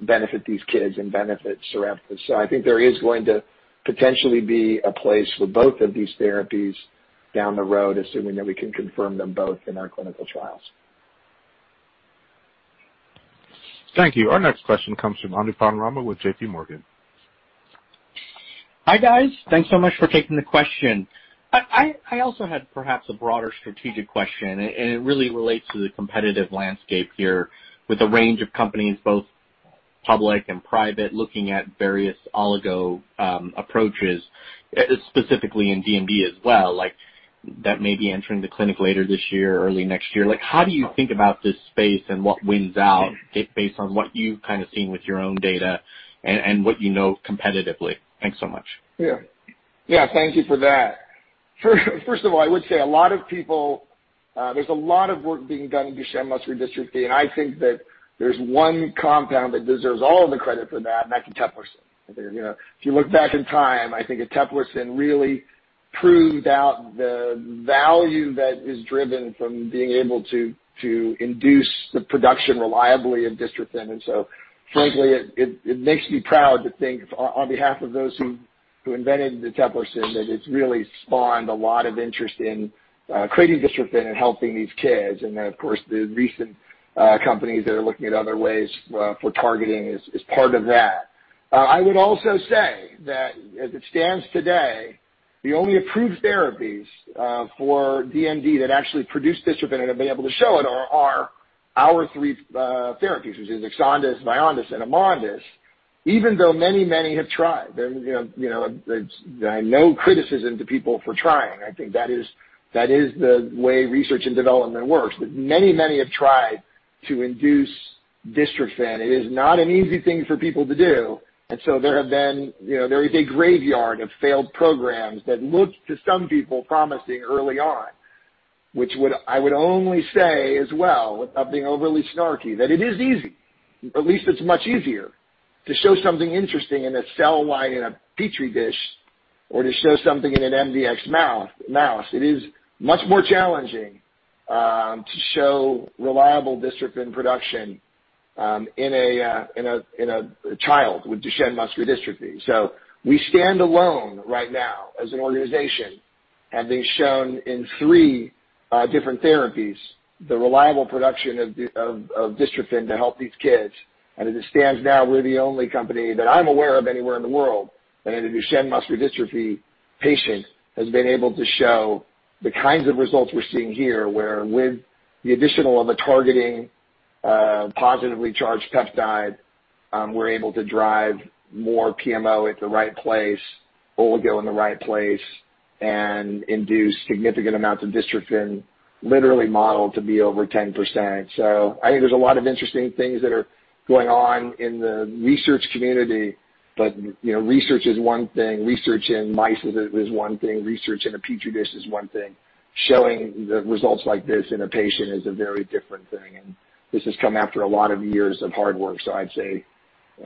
benefit these kids and benefit Sarepta. I think there is going to potentially be a place for both of these therapies down the road, assuming that we can confirm them both in our clinical trials. Thank you. Our next question comes from Anupam Rama with JPMorgan. Hi, guys. Thanks so much for taking the question. I also had perhaps a broader strategic question, and it really relates to the competitive landscape here with a range of companies, both public and private, looking at various oligo approaches, specifically in DMD as well, that may be entering the clinic later this year or early next year. How do you think about this space and what wins out based on what you've seen with your own data and what you know competitively? Thanks so much. Yeah. Thank you for that. First of all, I would say there's a lot of work being done in Duchenne muscular dystrophy, and I think that there's one compound that deserves all of the credit for that, and that's eteplirsen. If you look back in time, I think eteplirsen really proved out the value that is driven from being able to induce the production reliably of dystrophin. Frankly, it makes me proud to think on behalf of those who invented the eteplirsen, that it's really spawned a lot of interest in creating dystrophin and helping these kids. Then, of course, the recent companies that are looking at other ways for targeting is part of that. I would also say that as it stands today, the only approved therapies for DMD that actually produce dystrophin and have been able to show it are our three therapies, which is EXONDYS, VYONDYS, and AMONDYS. Even though many have tried, no criticism to people for trying. I think that is the way research and development works. Many have tried to induce dystrophin. It is not an easy thing for people to do, and so there is a graveyard of failed programs that looked, to some people, promising early on. I would only say as well, without being overly snarky, that it is easy, at least it's much easier, to show something interesting in a cell line in a Petri dish or to show something in an mdx mouse. It is much more challenging to show reliable dystrophin production in a child with Duchenne muscular dystrophy. We stand alone right now as an organization, having shown in three different therapies the reliable production of dystrophin to help these kids. As it stands now, we're the only company that I'm aware of anywhere in the world that in a Duchenne muscular dystrophy patient, has been able to show the kinds of results we're seeing here, where with the additional of a targeting, positively charged peptide, we're able to drive more PMO at the right place, oligo in the right place, and induce significant amounts of dystrophin, literally modeled to be over 10%. I think there's a lot of interesting things that are going on in the research community. Research is one thing. Research in mice is one thing. Research in a Petri dish is one thing. Showing the results like this in a patient is a very different thing, and this has come after a lot of years of hard work. I'd say,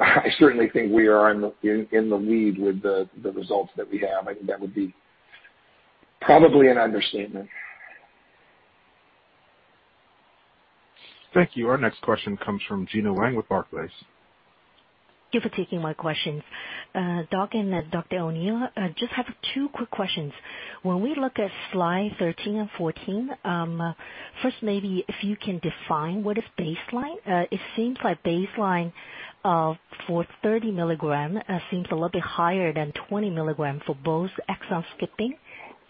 I certainly think we are in the lead with the results that we have. I think that would be probably an understatement. Thank you. Our next question comes from Gena Wang with Barclays. Thank you for taking my questions. Doug and Dr. O'Neill, just have two quick questions. We look at slide 13 and 14, first maybe if you can define what is baseline. It seems like baseline for 30 mg seems a little bit higher than 20 mg for both exon skipping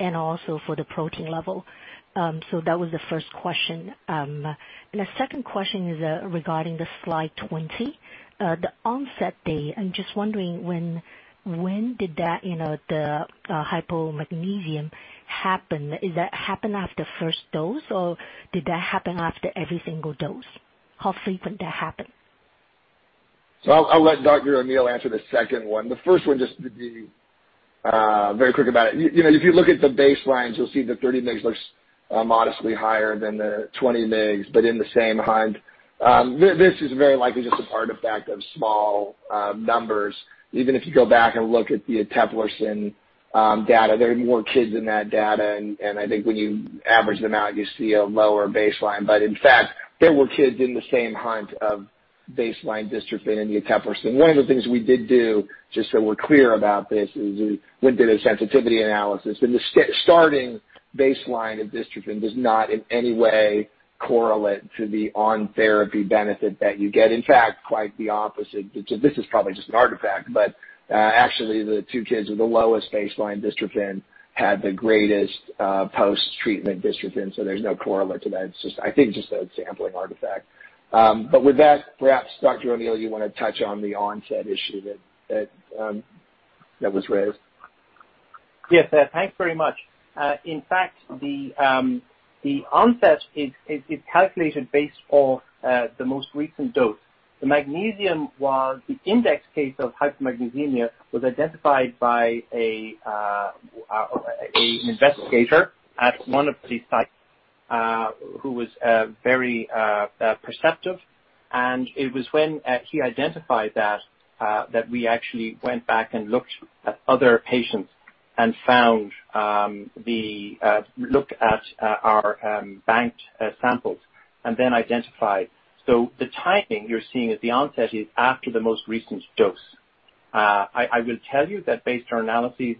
and also for the protein level. That was the first question. The second question is regarding the slide 20, the onset date. I'm just wondering when did the hypomagnesemia happen? Is that happen after first dose, or did that happen after every single dose? How frequent that happen? I'll let Dr. O'Neill answer the second one. The first one, just to be very quick about it. If you look at the baselines, you'll see the 30 mg looks modestly higher than the 20 mg, but in the same hunt. This is very likely just an artifact of small numbers. Even if you go back and look at the eteplirsen data, there are more kids in that data, and I think when you average them out, you see a lower baseline. In fact, there were kids in the same hunt of baseline dystrophin in the eteplirsen. One of the things we did do, just so we're clear about this, is we did a sensitivity analysis, and the starting baseline of dystrophin does not in any way correlate to the on-therapy benefit that you get. In fact, quite the opposite. This is probably just an artifact, but actually the two kids with the lowest baseline dystrophin had the greatest post-treatment dystrophin. There's no correlate to that. It's just, I think, just a sampling artifact. With that, perhaps, Dr. O'Neill, you want to touch on the onset issue that was raised. Yes. Thanks very much. In fact, the onset is calculated based off the most recent dose. The index case of hypomagnesemia was identified by an investigator at one of the sites who was very perceptive, and it was when he identified that we actually went back and looked at other patients and looked at our banked samples and then identified. The timing you're seeing at the onset is after the most recent dose. I will tell you that based on our analyses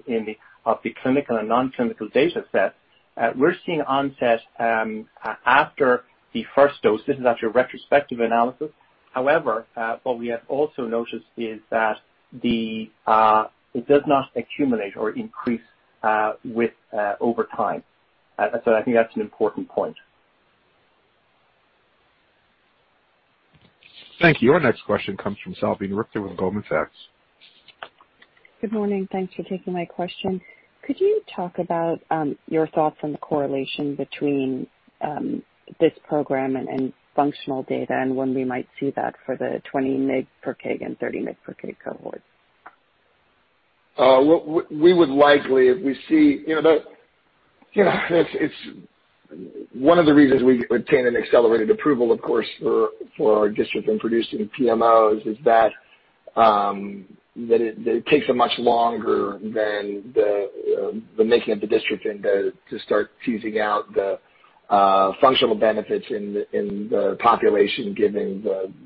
of the clinical and non-clinical data set, we're seeing onset after the first dose. This is actually a retrospective analysis. However, what we have also noticed is that it does not accumulate or increase over time. I think that's an important point. Thank you. Our next question comes from Salveen Richter with Goldman Sachs. Good morning. Thanks for taking my question. Could you talk about your thoughts on the correlation between this program and functional data, and when we might see that for the 20 mg/kg and 30 mg/kg cohorts? One of the reasons we obtain an accelerated approval, of course, for our dystrophin producing PMOs is that it takes much longer than the making of the dystrophin to start teasing out the functional benefits in the population, given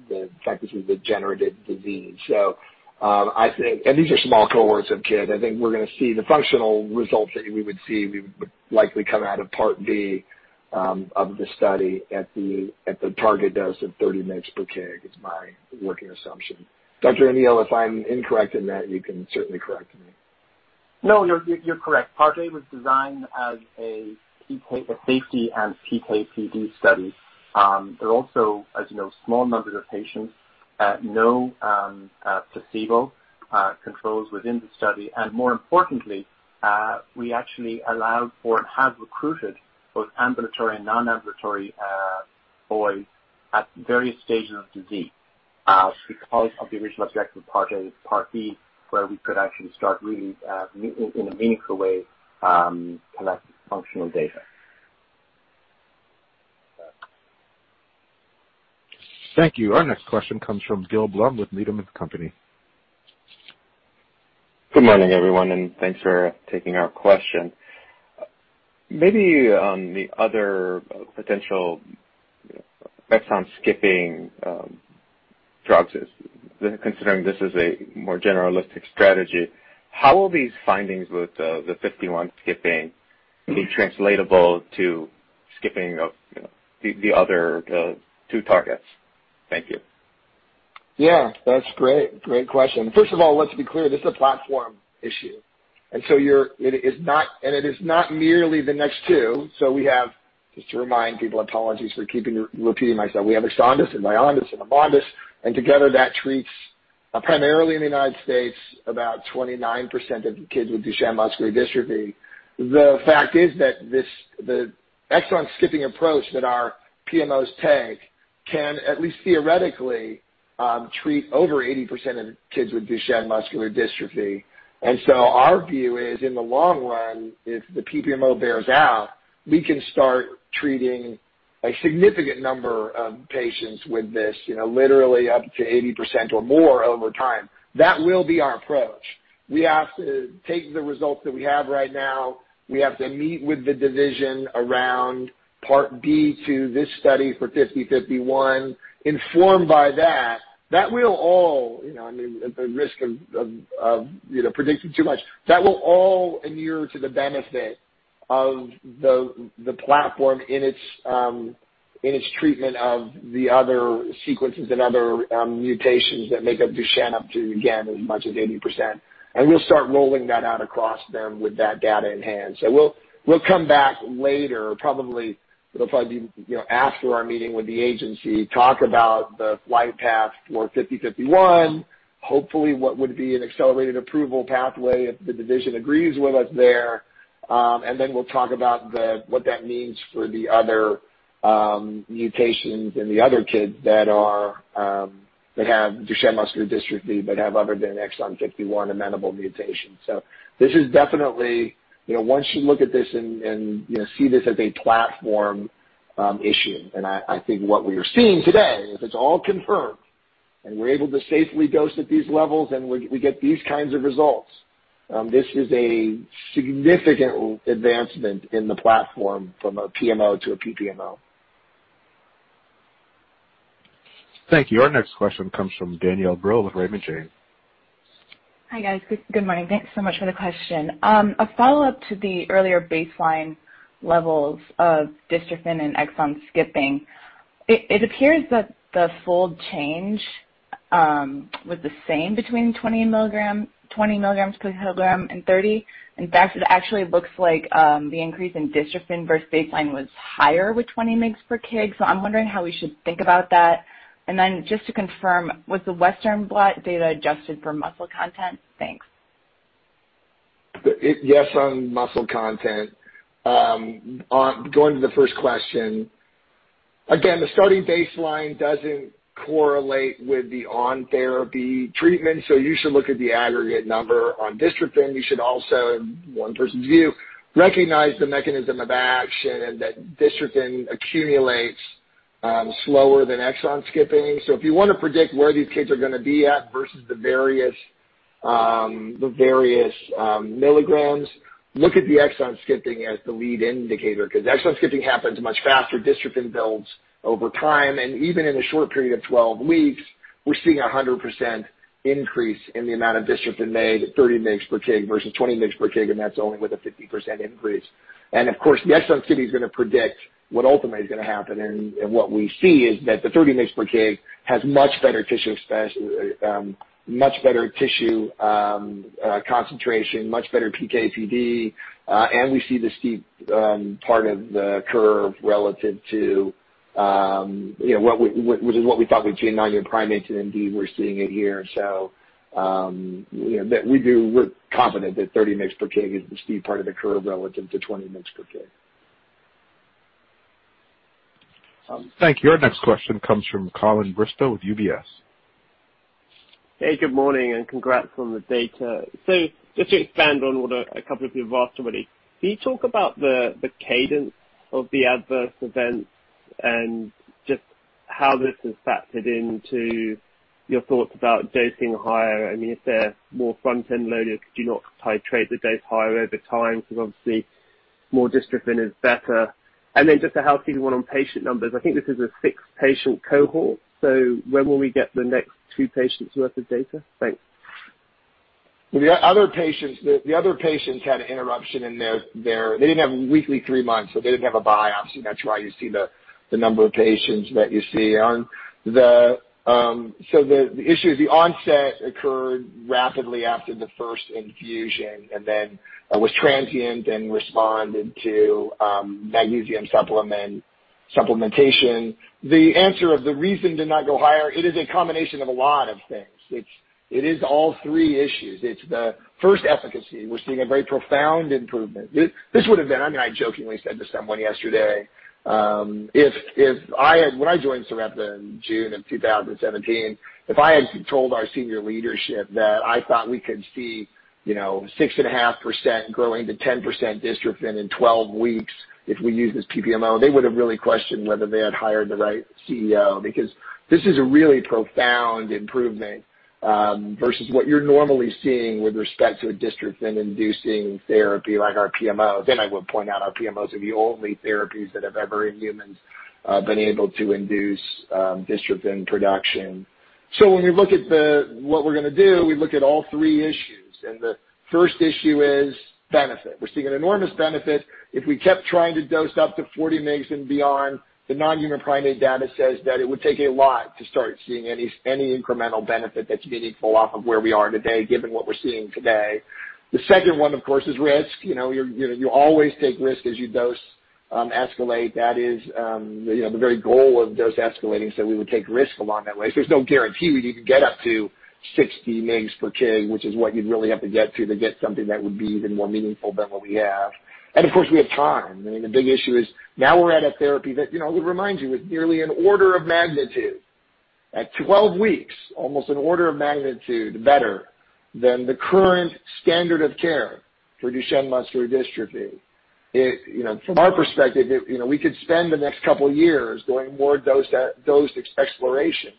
the fact this is a degenerative disease. These are small cohorts of kids. I think we're going to see the functional results that we would see would likely come out of part B of the study at the target dose of 30 mg/kg, is my working assumption. Dr. O'Neill, if I'm incorrect in that, you can certainly correct me. No, you're correct. Part A was designed as a safety and PK/PD study. There are also, as you know, small numbers of patients, no placebo controls within the study. More importantly, we actually allowed for and have recruited both ambulatory and non-ambulatory boys at various stages of disease because of the original objective of Part A, Part B, where we could actually start really, in a meaningful way, collect functional data. Thank you. Our next question comes from Gil Blum with Needham & Company. Good morning, everyone, and thanks for taking our question. Maybe on the other potential exon skipping drugs, considering this is a more generalistic strategy, how will these findings with the 51 skipping be translatable to skipping of the other two targets? Thank you. That's great. Great question. First of all, let's be clear. This is a platform issue, and it is not merely the next two. We have, just to remind people, apologies for repeating myself, we have EXONDYS and VYONDYS and AMONDYS, and together that treats primarily in the U.S., about 29% of kids with Duchenne muscular dystrophy. The fact is that the exon skipping approach that our PMOs take can at least theoretically, treat over 80% of kids with Duchenne muscular dystrophy. Our view is, in the long run, if the PPMO bears out, we can start treating a significant number of patients with this, literally up to 80% or more over time. That will be our approach. We have to take the results that we have right now. We have to meet with the Division around Part B to this study for 5051. Informed by that, at the risk of predicting too much, that will all inure to the benefit of the platform in its treatment of the other sequences and other mutations that make up Duchenne up to, again, as much as 80%. We'll start rolling that out across them with that data in hand. We'll come back later, probably it'll probably be after our meeting with the Agency, talk about the flight path for 5051, hopefully what would be an accelerated approval pathway if the Division agrees with us there. We'll talk about what that means for the other mutations in the other kids that have Duchenne muscular dystrophy but have other than exon 51 amenable mutations. This is definitely, once you look at this and see this as a platform issue, and I think what we are seeing today, if it's all confirmed and we're able to safely dose at these levels and we get these kinds of results, this is a significant advancement in the platform from a PMO to a PPMO. Thank you. Our next question comes from Danielle Brill with Raymond James. Hi, guys. Good morning. Thanks so much for the question. A follow-up to the earlier baseline levels of dystrophin and exon skipping. It appears that the fold change was the same between 20 mg/kg and 30. In fact, it actually looks like the increase in dystrophin versus baseline was higher with 20 mg/kg. I'm wondering how we should think about that. Then just to confirm, was the western blot data adjusted for muscle content? Thanks. Yes, on muscle content. Going to the first question, again, the starting baseline doesn't correlate with the on-therapy treatment, so you should look at the aggregate number on dystrophin. You should also, one person's view, recognize the mechanism of action and that dystrophin accumulates slower than exon skipping. If you want to predict where these kids are going to be at versus the various milligrams, look at the exon skipping as the lead indicator, because exon skipping happens much faster. Dystrophin builds over time, and even in a short period of 12 weeks, we're seeing 100% increase in the amount of dystrophin made at 30 mg/kg versus 20 mg/kg, and that's only with a 50% increase. Of course, the exon skipping is going to predict what ultimately is going to happen. What we see is that the 30 mg/kg has much better tissue concentration, much better PK/PD, and we see the steep part of the curve relative to what we thought with in primates, and indeed, we're seeing it here. We're confident that 30 mg/kg is the steep part of the curve relative to 20 mg/kg. Thank you. Our next question comes from Colin Bristow with UBS. Hey, good morning, congrats on the data. Just to expand on what a couple of people have asked already, can you talk about the cadence of the adverse events and just how this has factored into your thoughts about dosing higher? I mean, if they're more front-end loaded, could you not titrate the dose higher over time? Obviously more dystrophin is better. Just a housekeeping one on patient numbers. I think this is a six-patient cohort, when will we get the next two patients' worth of data? Thanks. The other patients had an interruption. They didn't have weekly three months, so they didn't have a biopsy, and that's why you see the number of patients that you see on. The issue is the onset occurred rapidly after the first infusion and then was transient and responded to magnesium supplementation. The answer of the reason to not go higher, it is a combination of a lot of things. It is all three issues. It's the first efficacy. We're seeing a very profound improvement. I mean, I jokingly said to someone yesterday, when I joined Sarepta in June of 2017, if I had told our senior leadership that I thought we could see 6.5% growing to 10% dystrophin in 12 weeks if we use this PPMO, they would've really questioned whether they had hired the right CEO. This is a really profound improvement, versus what you're normally seeing with respect to a dystrophin-inducing therapy like our PMO. I would point out our PMOs are the only therapies that have ever, in humans, been able to induce dystrophin production. When we look at what we're going to do, we look at all three issues, and the first issue is benefit. We're seeing an enormous benefit. If we kept trying to dose up to 40 mg and beyond, the non-human primate data says that it would take a lot to start seeing any incremental benefit that's meaningful off of where we are today, given what we're seeing today. The second one, of course, is risk. You always take risk as you dose escalate. That is the very goal of dose escalating, so we would take risks along that way. There's no guarantee we'd even get up to 60 mg/kg, which is what you'd really have to get to to get something that would be even more meaningful than what we have. Of course, we have time. The big issue is now we're at a therapy that would remind you is nearly an order of magnitude. At 12 weeks, almost an order of magnitude better than the current standard of care for Duchenne muscular dystrophy. From our perspective, we could spend the next couple of years going more dose exploration.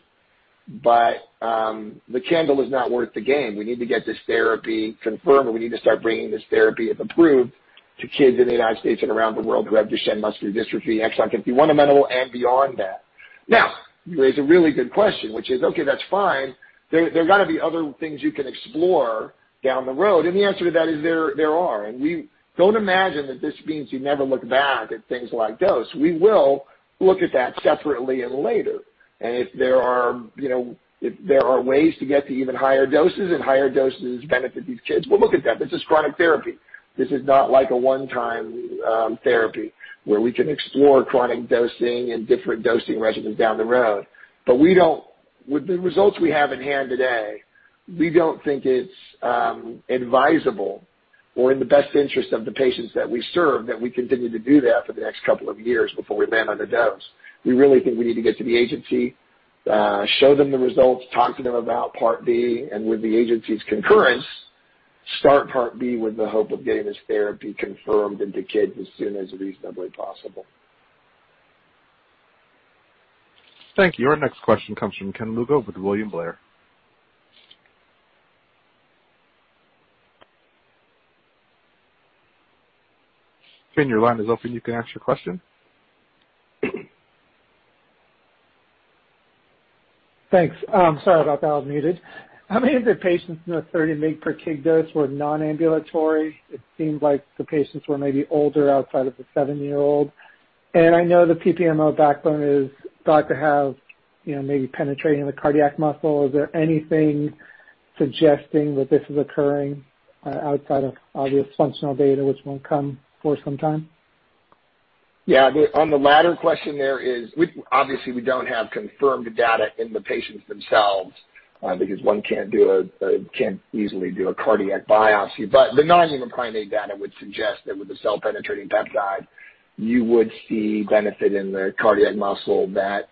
The candle is not worth the game. We need to get this therapy confirmed. We need to start bringing this therapy, if approved, to kids in the U.S. and around the world who have Duchenne muscular dystrophy, exon 51 amenable and beyond that. Now, you raise a really good question, which is, okay, that's fine. There are going to be other things you can explore down the road. The answer to that is there are. We don't imagine that this means you never look back at things like dose. We will look at that separately and later. If there are ways to get to even higher doses and higher doses benefit these kids, we'll look at that. This is chronic therapy. This is not like a one-time therapy where we can explore chronic dosing and different dosing regimens down the road. With the results we have in hand today, we don't think it's advisable or in the best interest of the patients that we serve, that we continue to do that for the next couple of years before we land on a dose. We really think we need to get to the agency, show them the results, talk to them about Part B, and with the agency's concurrence, start Part B with the hope of getting this therapy confirmed into kids as soon as reasonably possible. Thank you. Our next question comes from Tim Lugo with William Blair. Tim, your line is open. You can ask your question. Thanks. Sorry about that. I was muted. How many of the patients in the 30 mg/kg dose were non-ambulatory? It seems like the patients were maybe older outside of the seven-year-old. I know the PPMO backbone is thought to have maybe penetrating the cardiac muscle. Is there anything suggesting that this is occurring outside of obvious functional data, which won't come for some time? Yeah. On the latter question there is, obviously, we don't have confirmed data in the patients themselves, because one can't easily do a cardiac biopsy. The non-human primate data would suggest that with the cell-penetrating peptide, you would see benefit in the cardiac muscle that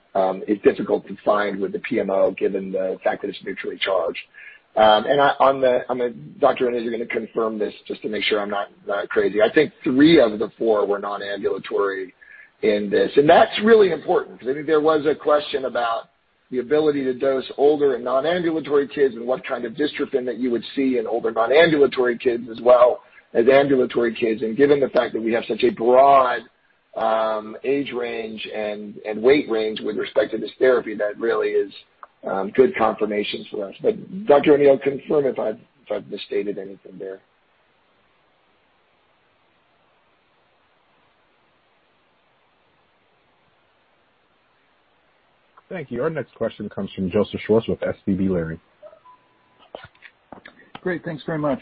is difficult to find with the PMO, given the fact that it's neutrally charged. Dr. O'Neill, you're going to confirm this just to make sure I'm not crazy. I think three of the four were non-ambulatory in this, and that's really important because I think there was a question about the ability to dose older and non-ambulatory kids, and what kind of dystrophin that you would see in older non-ambulatory kids as well as ambulatory kids. Given the fact that we have such a broad age range and weight range with respect to this therapy, that really is good confirmation for us. Dr. O'Neill, confirm if I've misstated anything there. Thank you. Our next question comes from Joseph Schwartz with SVB Leerink. Great. Thanks very much.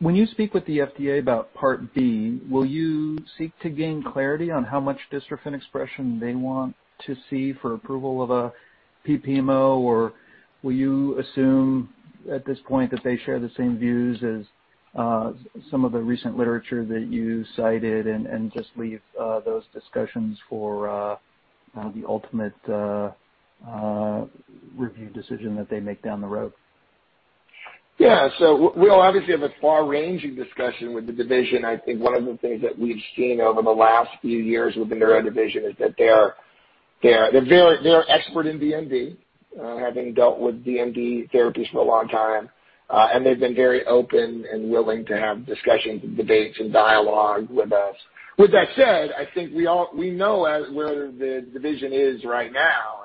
When you speak with the FDA about Part B, will you seek to gain clarity on how much dystrophin expression they want to see for approval of a PPMO, or will you assume at this point that they share the same views as some of the recent literature that you cited and just leave those discussions for the ultimate review decision that they make down the road? Yeah. We'll obviously have a far-ranging discussion with the division. I think one of the things that we've seen over the last few years with the neuro division is that they're very expert in DMD, having dealt with DMD therapies for a long time. They've been very open and willing to have discussions and debates and dialogue with us. With that said, I think we know where the division is right now.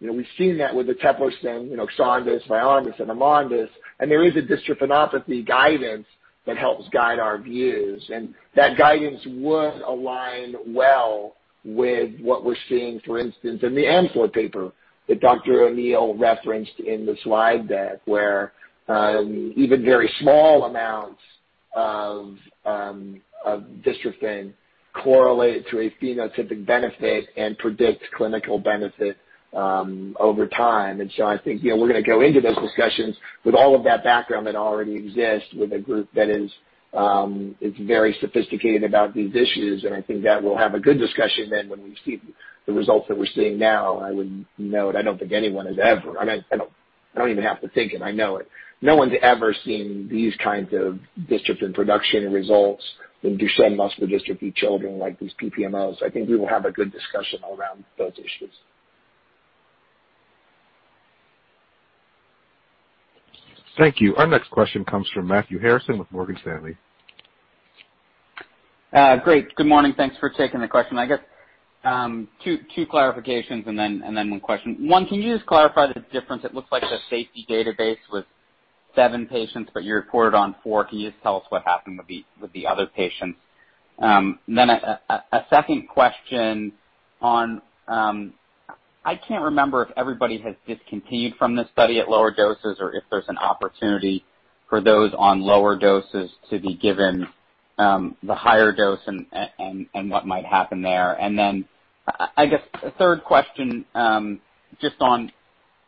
We've seen that with eteplirsen, EXONDYS, VYONDYS, and AMONDYS, and there is a dystrophinopathy guidance that helps guide our views. That guidance would align well with what we're seeing, for instance, in the paper that Dr. O'Neill referenced in the slide deck, where even very small amounts of dystrophin correlate to a phenotypic benefit and predict clinical benefit over time. I think we're going to go into those discussions with all of that background that already exists with a group that is very sophisticated about these issues, and I think that we'll have a good discussion then when we see the results that we're seeing now. I would note, I don't even have to think it. I know it. No one's ever seen these kinds of dystrophin production results in Duchenne muscular dystrophy children like these PPMOs. I think we will have a good discussion around those issues. Thank you. Our next question comes from Matthew Harrison with Morgan Stanley. Great. Good morning. Thanks for taking the question. I guess two clarifications and then one question. One, can you just clarify the difference? It looks like the safety database with seven patients, but you reported on four. Can you just tell us what happened with the other patients? A second question on, I can't remember if everybody has discontinued from this study at lower doses or if there's an opportunity for those on lower doses to be given the higher dose and what might happen there. I guess a third question, just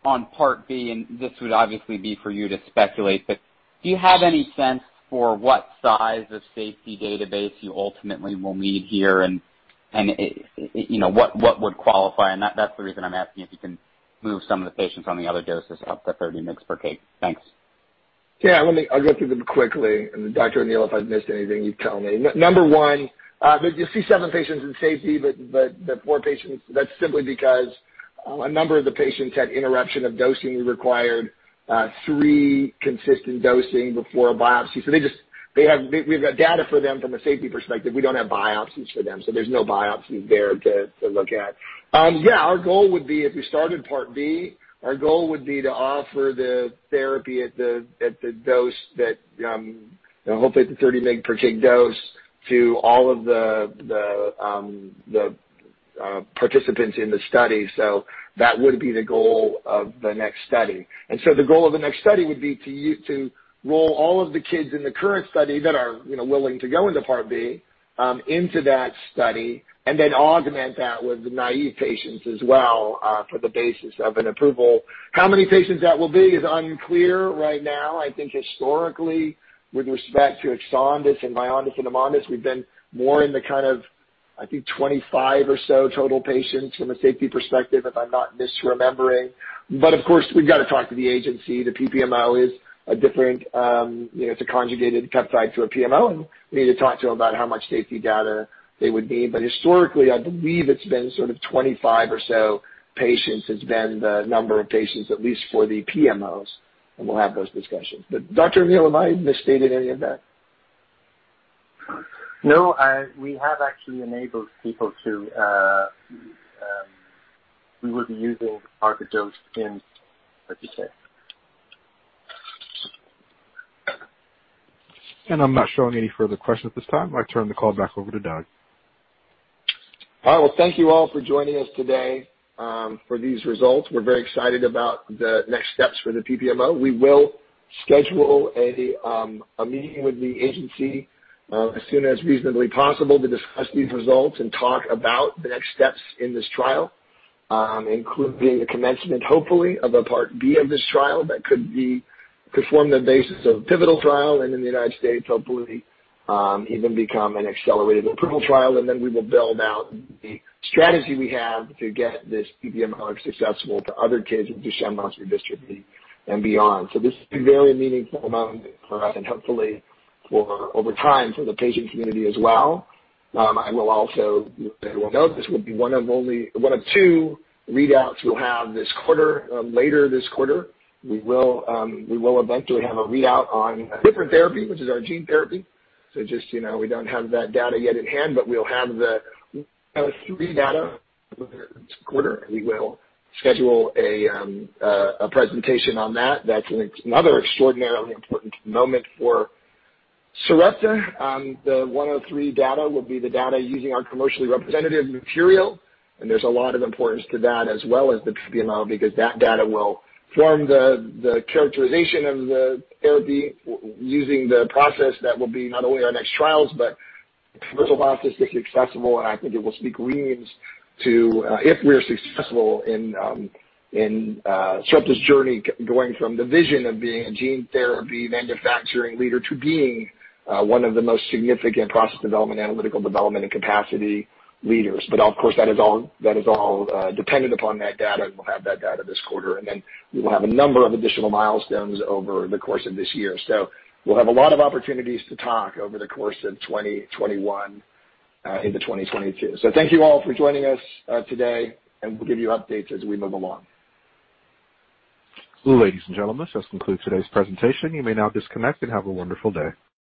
on Part B, and this would obviously be for you to speculate, but do you have any sense for what size of safety database you ultimately will need here and what would qualify? That's the reason I'm asking if you can move some of the patients on the other doses up to 30 mg/kg. Thanks. Yeah, I'll go through them quickly. Dr. O'Neill, if I've missed anything, you tell me. Number one, you see seven patients in safety, but the four patients, that's simply because a number of the patients had interruption of dosing. We required three consistent dosing before a biopsy. We've got data for them from a safety perspective. We don't have biopsies for them, so there's no biopsies there to look at. Yeah, our goal would be, if we started Part B, our goal would be to offer the therapy at the dose that, hopefully, at the 30 mg/kg dose, to all of the participants in the study. That would be the goal of the next study. The goal of the next study would be to roll all of the kids in the current study that are willing to go into Part B into that study and then augment that with the naive patients as well for the basis of an approval. How many patients that will be is unclear right now. I think historically, with respect to EXONDYS and VYONDYS and AMONDYS, we've been more in the kind of, I think, 25 or so total patients from a safety perspective, if I'm not misremembering. Of course, we've got to talk to the agency. The PPMO is a different, it's a conjugated peptide to a PMO, and we need to talk to them about how much safety data they would need. Historically, I believe it's been sort of 25 or so patients has been the number of patients, at least for the PMOs, and we'll have those discussions. Dr. O'Neill, have I misstated any of that? No, we have actually enabled people. We will be using target dose in 30 mg/kg. I'm not showing any further questions at this time. I turn the call back over to Doug. All right. Well, thank you all for joining us today for these results. We're very excited about the next steps for the PPMO. We will schedule a meeting with the agency as soon as reasonably possible to discuss these results and talk about the next steps in this trial, including a commencement, hopefully, of a Part B of this trial that could form the basis of a pivotal trial and in the United States, hopefully, even become an accelerated approval trial. Then we will build out the strategy we have to get this PPMO successful to other kids with Duchenne muscular dystrophy and beyond. This is a very meaningful moment for us and hopefully for, over time, for the patient community as well. I will also note, this will be one of two readouts we'll have this quarter. Later this quarter, we will eventually have a readout on a different therapy, which is our gene therapy. Just so you know, we don't have that data yet in hand, but we'll have the data this quarter. We will schedule a presentation on that. That's another extraordinarily important moment for Sarepta. The 103 data will be the data using our commercially representative material, and there's a lot of importance to that as well as the PPMO because that data will form the characterization of the therapy using the process that will be not only our next trials, but commercial and I think it will speak volumes if we are successful in Sarepta's journey going from the vision of being a gene therapy manufacturing leader to being one of the most significant process development and analytical development and capacity leaders. But, of course, that is all depending upon that data. We'll have that data this quarter, and then we'll have a number of additional milestones over the course of this year. So we'll have a lot of opportunities to talk over the course of 2021 into 2023. So thank you all for joining us today, and we'll give you updates as we move along. Ladies and gentlemen, this concludes today's presentation. You may now disconnect and have a wonderful day.